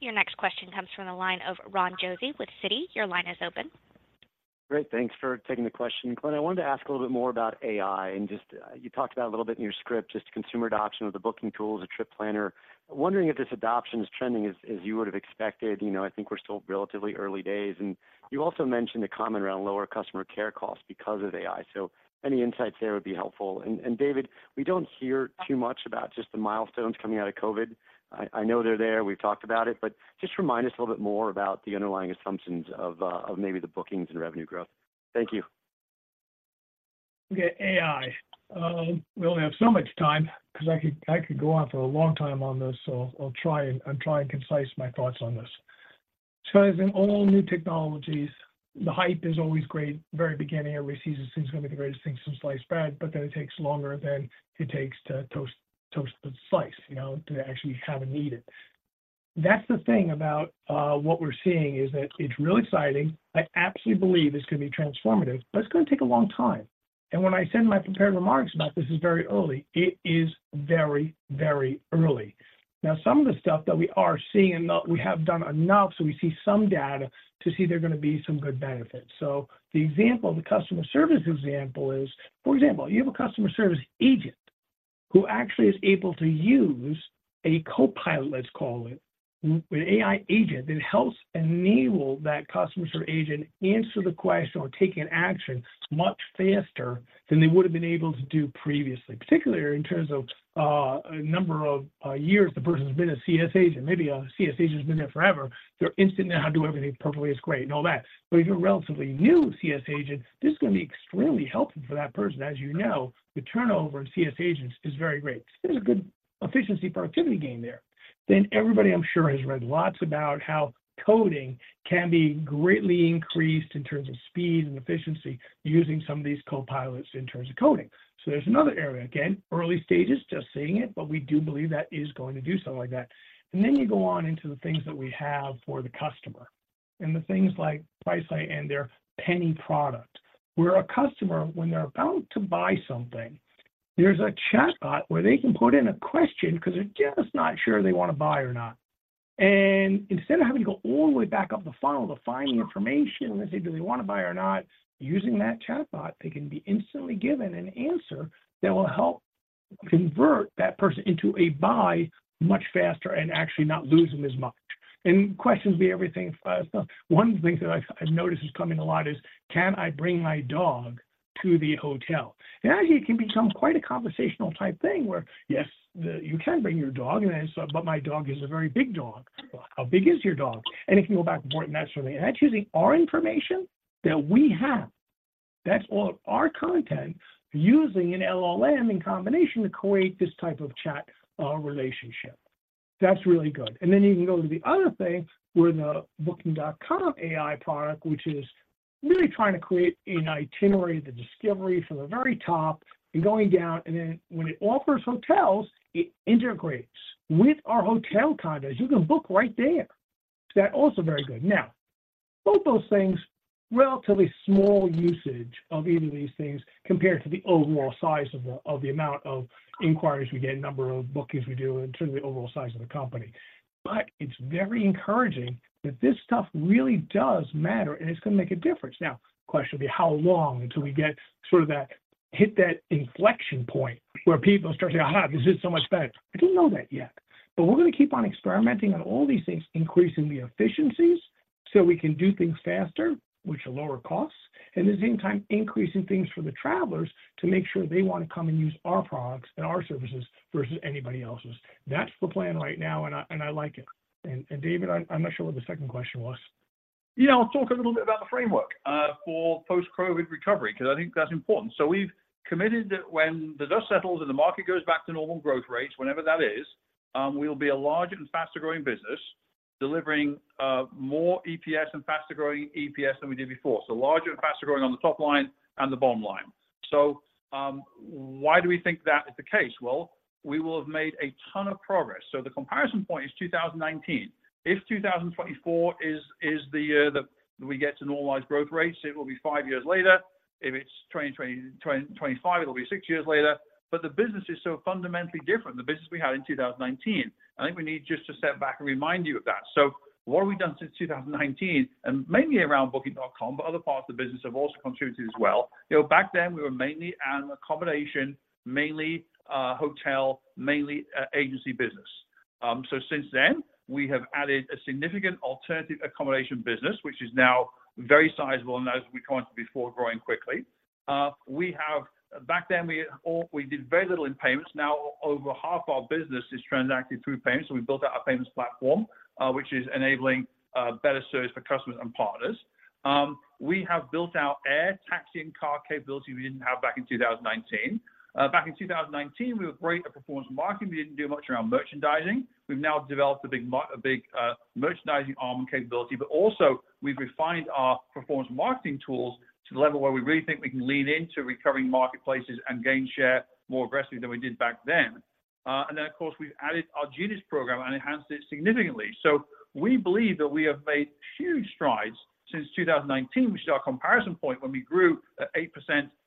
so much. Your next question comes from the line of Ron Josey with Citi. Your line is open. Great. Thanks for taking the question. Glenn, I wanted to ask a little bit more about AI, and just, you talked about a little bit in your script, just consumer adoption of the booking tools, the trip planner. Wondering if this adoption is trending as you would have expected. You know, I think we're still relatively early days, and you also mentioned the comment around lower customer care costs because of AI. So any insights there would be helpful. And David, we don't hear too much about just the milestones coming out of COVID. I know they're there, we've talked about it, but just remind us a little bit more about the underlying assumptions of of maybe the bookings and revenue growth. Thank you. Okay, AI. We only have so much time, because I could go on for a long time on this, so I'll try and concise my thoughts on this. So as in all new technologies, the hype is always great. Very beginning, everybody sees this as going to be the greatest thing since sliced bread, but then it takes longer than it takes to toast the slice, you know, to actually kind of need it. That's the thing about what we're seeing is that it's really exciting. I absolutely believe it's going to be transformative, but it's going to take a long time. And when I said in my prepared remarks about this is very early, it is very, very early. Now, some of the stuff that we are seeing, and we have done enough, so we see some data to see there are going to be some good benefits. So the example, the customer service example is, for example, you have a customer service agent who actually is able to use a copilot, let's call it, an AI agent, that helps enable that customer service agent answer the question or take an action much faster than they would have been able to do previously, particularly in terms of number of years the person has been a CS agent. Maybe a CS agent has been there forever. They're instant know-how, do everything perfectly, it's great and all that. But if you're a relatively new CS agent, this is going to be extremely helpful for that person. As you know, the turnover in CS agents is very great. There's a good efficiency productivity gain there. Then everybody, I'm sure, has read lots about how coding can be greatly increased in terms of speed and efficiency, using some of these copilots in terms of coding. So there's another area, again, early stages, just seeing it, but we do believe that is going to do something like that. And then you go on into the things that we have for the customer, and the things like Priceline and their Penny product, where a customer, when they're about to buy something, there's a chatbot where they can put in a question because they're just not sure they want to buy or not. Instead of having to go all the way back up the funnel to find the information and say, do they want to buy or not, using that chatbot, they can be instantly given an answer that will help convert that person into a buy much faster and actually not lose them as much. And questions be everything. One thing that I've noticed is coming a lot is, "Can I bring my dog to the hotel?" And actually, it can become quite a conversational type thing where, "Yes, you can bring your dog." And then, "But my dog is a very big dog." "How big is your dog?" And it can go back and forth, and that's using our information that we have. That's all our content using an LLM in combination to create this type of chat relationship. That's really good. And then you can go to the other thing, where the Booking.com AI product, which is really trying to create an itinerary, the discovery from the very top and going down, and then when it offers hotels, it integrates with our hotel partners. You can book right there. That also very good. Now, both those things, relatively small usage of either of these things, compared to the overall size of the amount of inquiries we get, number of bookings we do, in terms of the overall size of the company. But it's very encouraging that this stuff really does matter, and it's going to make a difference. Now, question would be, how long until we get sort of that-... hit that inflection point where people start saying, "Aha, this is so much better!" I don't know that yet, but we're gonna keep on experimenting on all these things, increasing the efficiencies, so we can do things faster, which will lower costs, and at the same time, increasing things for the travelers to make sure they want to come and use our products and our services versus anybody else's. That's the plan right now, and I like it. And David, I'm not sure what the second question was. Yeah, I'll talk a little bit about the framework for post-COVID recovery because I think that's important. So we've committed that when the dust settles and the market goes back to normal growth rates, whenever that is, we'll be a larger and faster-growing business, delivering more EPS and faster-growing EPS than we did before. So larger and faster growing on the top line and the bottom line. So, why do we think that is the case? Well, we will have made a ton of progress. So the comparison point is 2019. If 2024 is the year that we get to normalized growth rates, it will be five years later. If it's 2025, it'll be six years later. But the business is so fundamentally different than the business we had in 2019. I think we need just to step back and remind you of that. So what have we done since 2019, and mainly around Booking.com, but other parts of the business have also contributed as well. You know, back then, we were mainly an accommodation, mainly a hotel, mainly a agency business. So since then, we have added a significant alternative accommodation business, which is now very sizable, and as we commented before, growing quickly. Back then, we did very little in payments. Now, over half our business is transacted through payments, so we built out our payments platform, which is enabling better service for customers and partners. We have built out air taxi and car capability we didn't have back in 2019. Back in 2019, we were great at performance marketing. We didn't do much around merchandising. We've now developed a big merchandising arm and capability, but also we've refined our performance marketing tools to the level where we really think we can lean into recovering marketplaces and gain share more aggressively than we did back then. And then, of course, we've added our Genius program and enhanced it significantly. So we believe that we have made huge strides since 2019, which is our comparison point when we grew at 8%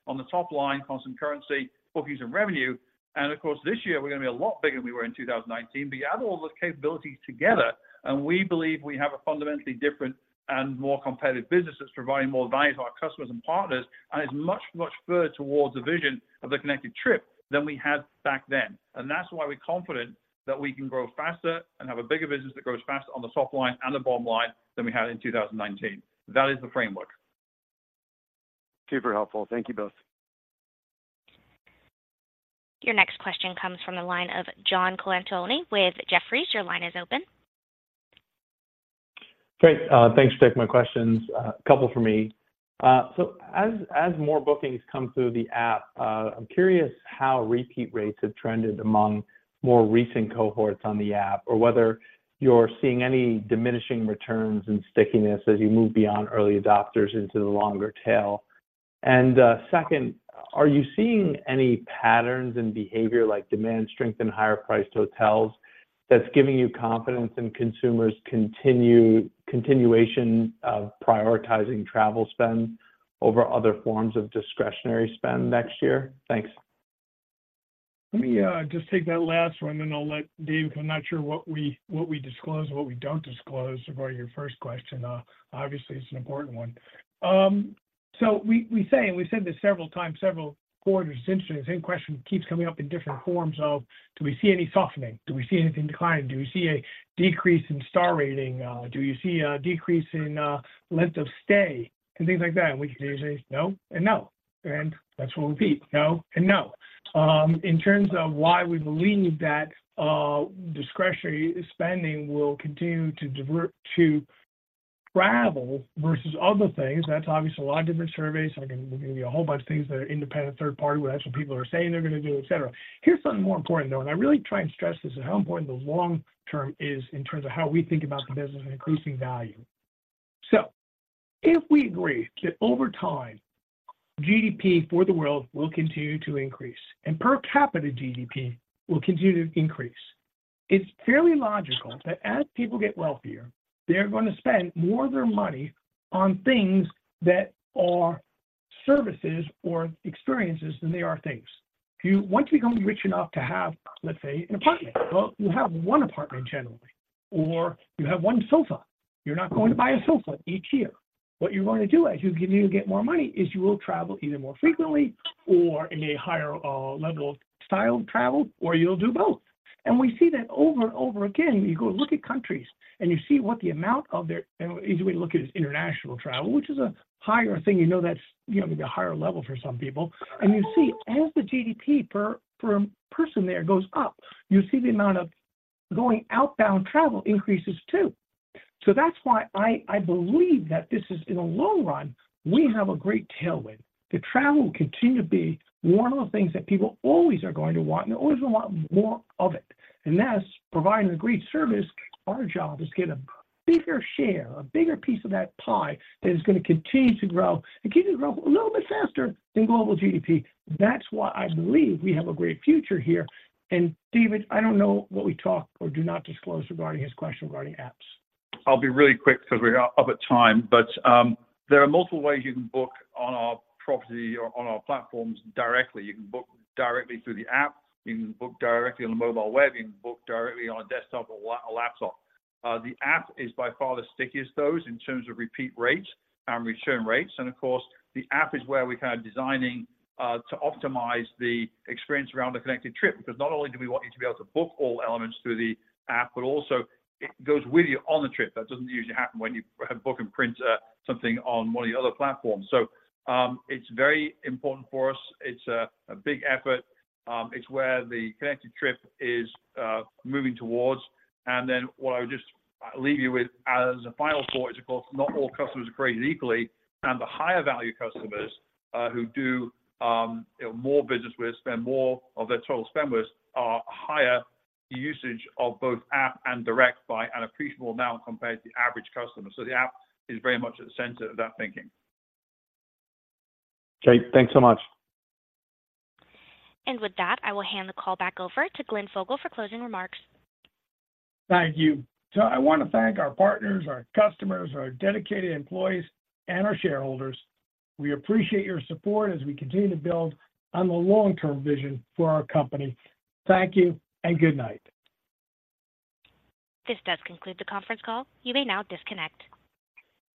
on the top line, constant currency, bookings and revenue. And of course, this year, we're going to be a lot bigger than we were in 2019. But you add all those capabilities together, and we believe we have a fundamentally different and more competitive business that's providing more value to our customers and partners, and is much, much further towards the vision of the Connected Trip than we had back then. And that's why we're confident that we can grow faster and have a bigger business that grows faster on the top line and the bottom line than we had in 2019. That is the framework. Super helpful. Thank you both. Your next question comes from the line of John Colantuoni with Jefferies. Your line is open. Great. Thanks for taking my questions. A couple for me. So as more bookings come through the app, I'm curious how repeat rates have trended among more recent cohorts on the app, or whether you're seeing any diminishing returns in stickiness as you move beyond early adopters into the longer tail. And second, are you seeing any patterns in behavior like demand strength in higher-priced hotels that's giving you confidence in consumers' continuation of prioritizing travel spend over other forms of discretionary spend next year? Thanks. Let me just take that last one, and then I'll let David... I'm not sure what we disclose or what we don't disclose about your first question. Obviously, it's an important one. So we say, and we've said this several times, several quarters, since the same question keeps coming up in different forms: do we see any softening? Do we see anything declining? Do we see a decrease in star rating? Do you see a decrease in length of stay? And things like that, and we can usually say, "No and no." And let's repeat, "No and no." In terms of why we believe that, discretionary spending will continue to divert to travel versus other things, that's obviously a lot of different surveys. I can give you a whole bunch of things that are independent, third party, where actually people are saying they're gonna do, et cetera. Here's something more important, though, and I really try and stress this, is how important the long term is in terms of how we think about the business and increasing value. So if we agree that over time, GDP for the world will continue to increase and per capita GDP will continue to increase, it's fairly logical that as people get wealthier, they're gonna spend more of their money on things that are services or experiences than they are things. You- once you become rich enough to have, let's say, an apartment, well, you have one apartment generally, or you have one sofa. You're not going to buy a sofa each year. What you're going to do, as you get, you get more money, is you will travel either more frequently or in a higher level of style of travel, or you'll do both. And we see that over and over again. You go look at countries, and you see what the amount of their and the easy way to look at it is international travel, which is a higher thing. You know, that's, you know, maybe a higher level for some people. And you see as the GDP per person there goes up, you see the amount of going outbound travel increases too. So that's why I believe that this is, in the long run, we have a great tailwind. The travel will continue to be one of the things that people always are going to want, and they always want more of it. Thus, providing a great service, our job is to get a bigger share, a bigger piece of that pie that is gonna continue to grow and continue to grow a little bit faster than global GDP. That's why I believe we have a great future here. David, I don't know what we talk or do not disclose regarding his question regarding apps. I'll be really quick because we are up at time, but there are multiple ways you can book on our property or on our platforms directly. You can book directly through the app, you can book directly on the mobile web, you can book directly on a desktop or a laptop. The app is by far the stickiest, though, in terms of repeat rates and return rates. And of course, the app is where we've had designing to optimize the experience around the Connected Trip, because not only do we want you to be able to book all elements through the app, but also it goes with you on the trip. That doesn't usually happen when you have book and print something on one of the other platforms. So, it's very important for us. It's a big effort. It's where the Connected Trip is moving towards. And then what I would just leave you with as a final thought is, of course, not all customers are created equally. And the higher-value customers who do more business with, spend more of their total spend with, are higher usage of both app and direct by an appreciable amount compared to the average customer. So the app is very much at the center of that thinking. Okay, thanks so much. With that, I will hand the call back over to Glenn Fogel for closing remarks. Thank you. I want to thank our partners, our customers, our dedicated employees, and our shareholders. We appreciate your support as we continue to build on the long-term vision for our company. Thank you and good night. This does conclude the conference call. You may now disconnect.